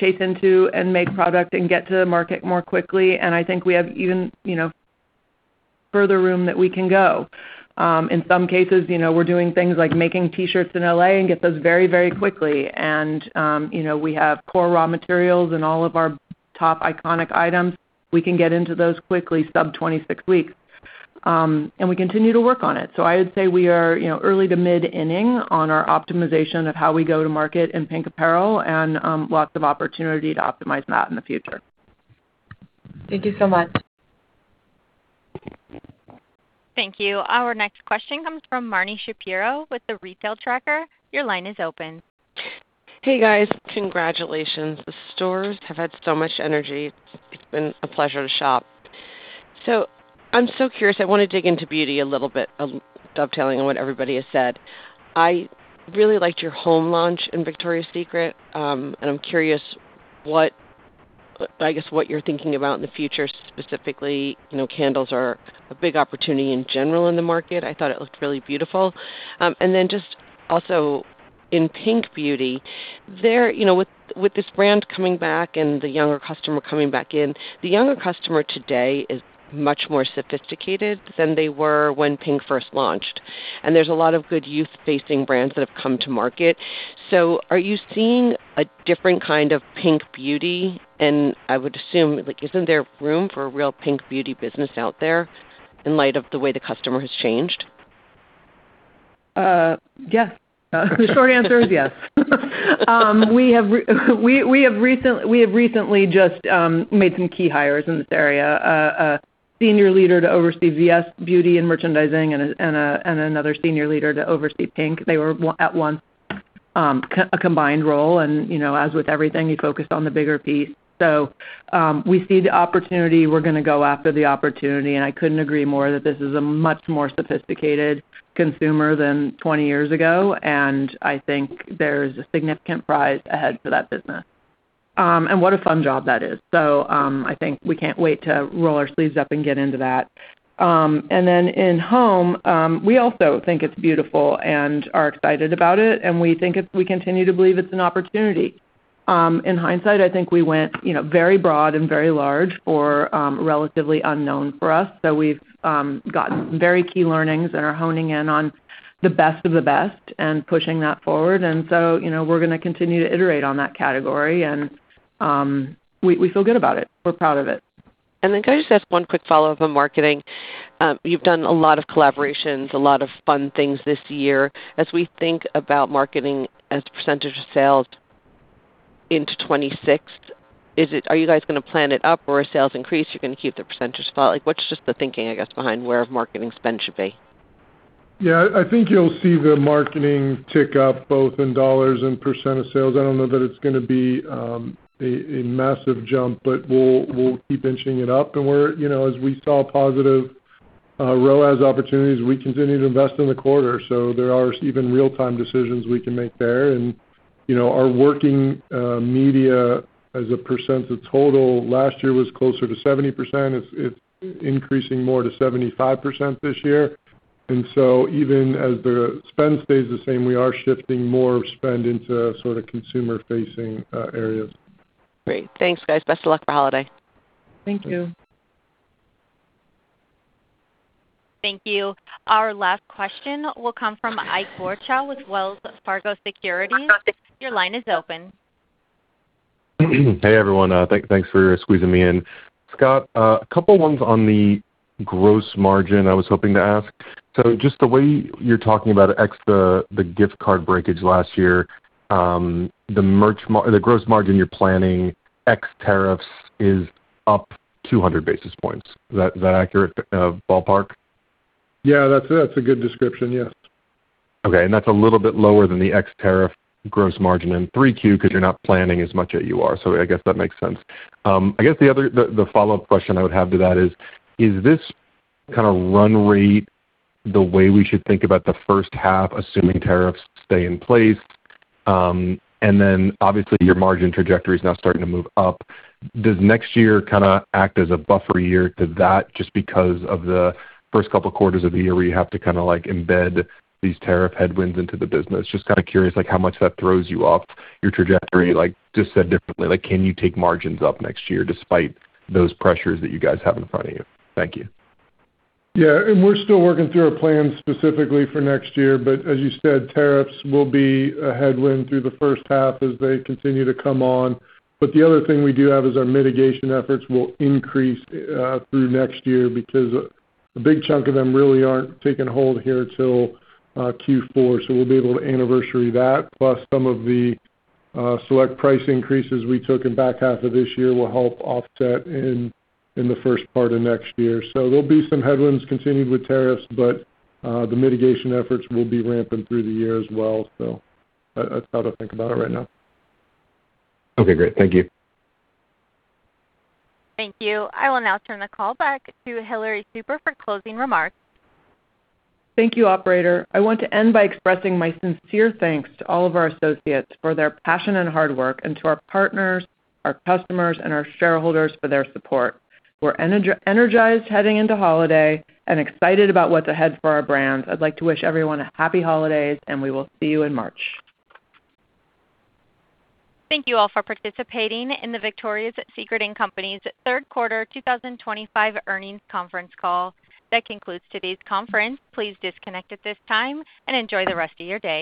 chase into and make product and get to the market more quickly, and I think we have even further room that we can go. In some cases, we're doing things like making T-shirts in LA and get those very, very quickly, and we have core raw materials and all of our top iconic items. We can get into those quickly sub 26 weeks, and we continue to work on it. So I would say we are early to mid-inning on our optimization of how we go to market in PINK apparel and lots of opportunity to optimize that in the future. Thank you so much. Thank you. Our next question comes from Marni Shapiro with The Retail Tracker. Your line is open. Hey, guys. Congratulations. The stores have had so much energy. It's been a pleasure to shop. So I'm so curious. I want to dig into Beauty a little bit, dovetailing on what everybody has said. I really liked your home launch in Victoria's Secret. And I'm curious, I guess, what you're thinking about in the future, specifically candles are a big opportunity in general in the market. I thought it looked really beautiful. And then just also in PINK Beauty, with this brand coming back and the younger customer coming back in, the younger customer today is much more sophisticated than they were when PINK first launched. And there's a lot of good youth-facing brands that have come to market. So are you seeing a different kind of PINK Beauty? And I would assume, isn't there room for a real PINK Beauty business out there in light of the way the customer has changed? Yeah. The short answer is yes. We have recently just made some key hires in this area. A senior leader to oversee VS Beauty and merchandising and another senior leader to oversee PINK. They were at once a combined role. And as with everything, you focus on the bigger piece. So we see the opportunity. We're going to go after the opportunity. And I couldn't agree more that this is a much more sophisticated consumer than 20 years ago. And I think there's a significant prize ahead for that business. And what a fun job that is. So I think we can't wait to roll our sleeves up and get into that. And then in home, we also think it's beautiful and are excited about it. And we think we continue to believe it's an opportunity. In hindsight, I think we went very broad and very large for relatively unknown for us. So we've gotten some very key learnings and are honing in on the best of the best and pushing that forward. And so we're going to continue to iterate on that category. And we feel good about it. We're proud of it. And then can I just ask one quick follow-up on marketing? You've done a lot of collaborations, a lot of fun things this year. As we think about marketing as a percentage of sales into 2026, are you guys going to plan it up or a sales increase? You're going to keep the percentage? What's just the thinking, I guess, behind where marketing spend should be? Yeah. I think you'll see the marketing tick up both in dollars and percent of sales. I don't know that it's going to be a massive jump, but we'll keep inching it up. And as we saw positive ROAS opportunities, we continue to invest in the quarter. So there are even real-time decisions we can make there. And our working media as a percent of total last year was closer to 70%. It's increasing more to 75% this year. And so even as the spend stays the same, we are shifting more spend into sort of consumer-facing areas. Great. Thanks, guys. Best of luck for holiday. Thank you. Thank you. Our last question will come from Ike Boruchow with Wells Fargo Securities. Your line is open. Hey, everyone. Thanks for squeezing me in. Scott, a couple of questions on the gross margin I was hoping to ask. So just the way you're talking about the gift card breakage last year, the gross margin you're planning ex tariffs is up 200 basis points. Is that accurate ballpark? Yeah. That's a good description. Yes. Okay. And that's a little bit lower than the ex tariff gross margin in 3Q because you're not planning as much as you are. So I guess that makes sense. I guess the follow-up question I would have to that is, is this kind of run rate the way we should think about the first half, assuming tariffs stay in place? And then obviously, your margin trajectory is now starting to move up. Does next year kind of act as a buffer year to that just because of the first couple of quarters of the year where you have to kind of embed these tariff headwinds into the business? Just kind of curious how much that throws you off your trajectory. Just said differently, can you take margins up next year despite those pressures that you guys have in front of you? Thank you. Yeah. And we're still working through a plan specifically for next year. But as you said, tariffs will be a headwind through the first half as they continue to come on. But the other thing we do have is our mitigation efforts will increase through next year because a big chunk of them really aren't taking hold here till Q4. So we'll be able to anniversary that. Plus, some of the select price increases we took in back half of this year will help offset in the first part of next year. So there'll be some headwinds continued with tariffs, but the mitigation efforts will be ramping through the year as well. So that's how I think about it right now. Okay. Great. Thank you. I will now turn the call back to Hillary Super for closing remarks. Thank you, operator. I want to end by expressing my sincere thanks to all of our associates for their passion and hard work and to our partners, our customers, and our shareholders for their support. We're energized heading into holiday and excited about what's ahead for our brands. I'd like to wish everyone a happy holidays, and we will see you in March. Thank you all for participating in the Victoria's Secret & Company's third quarter 2025 earnings conference call. That concludes today's conference. Please disconnect at this time and enjoy the rest of your day.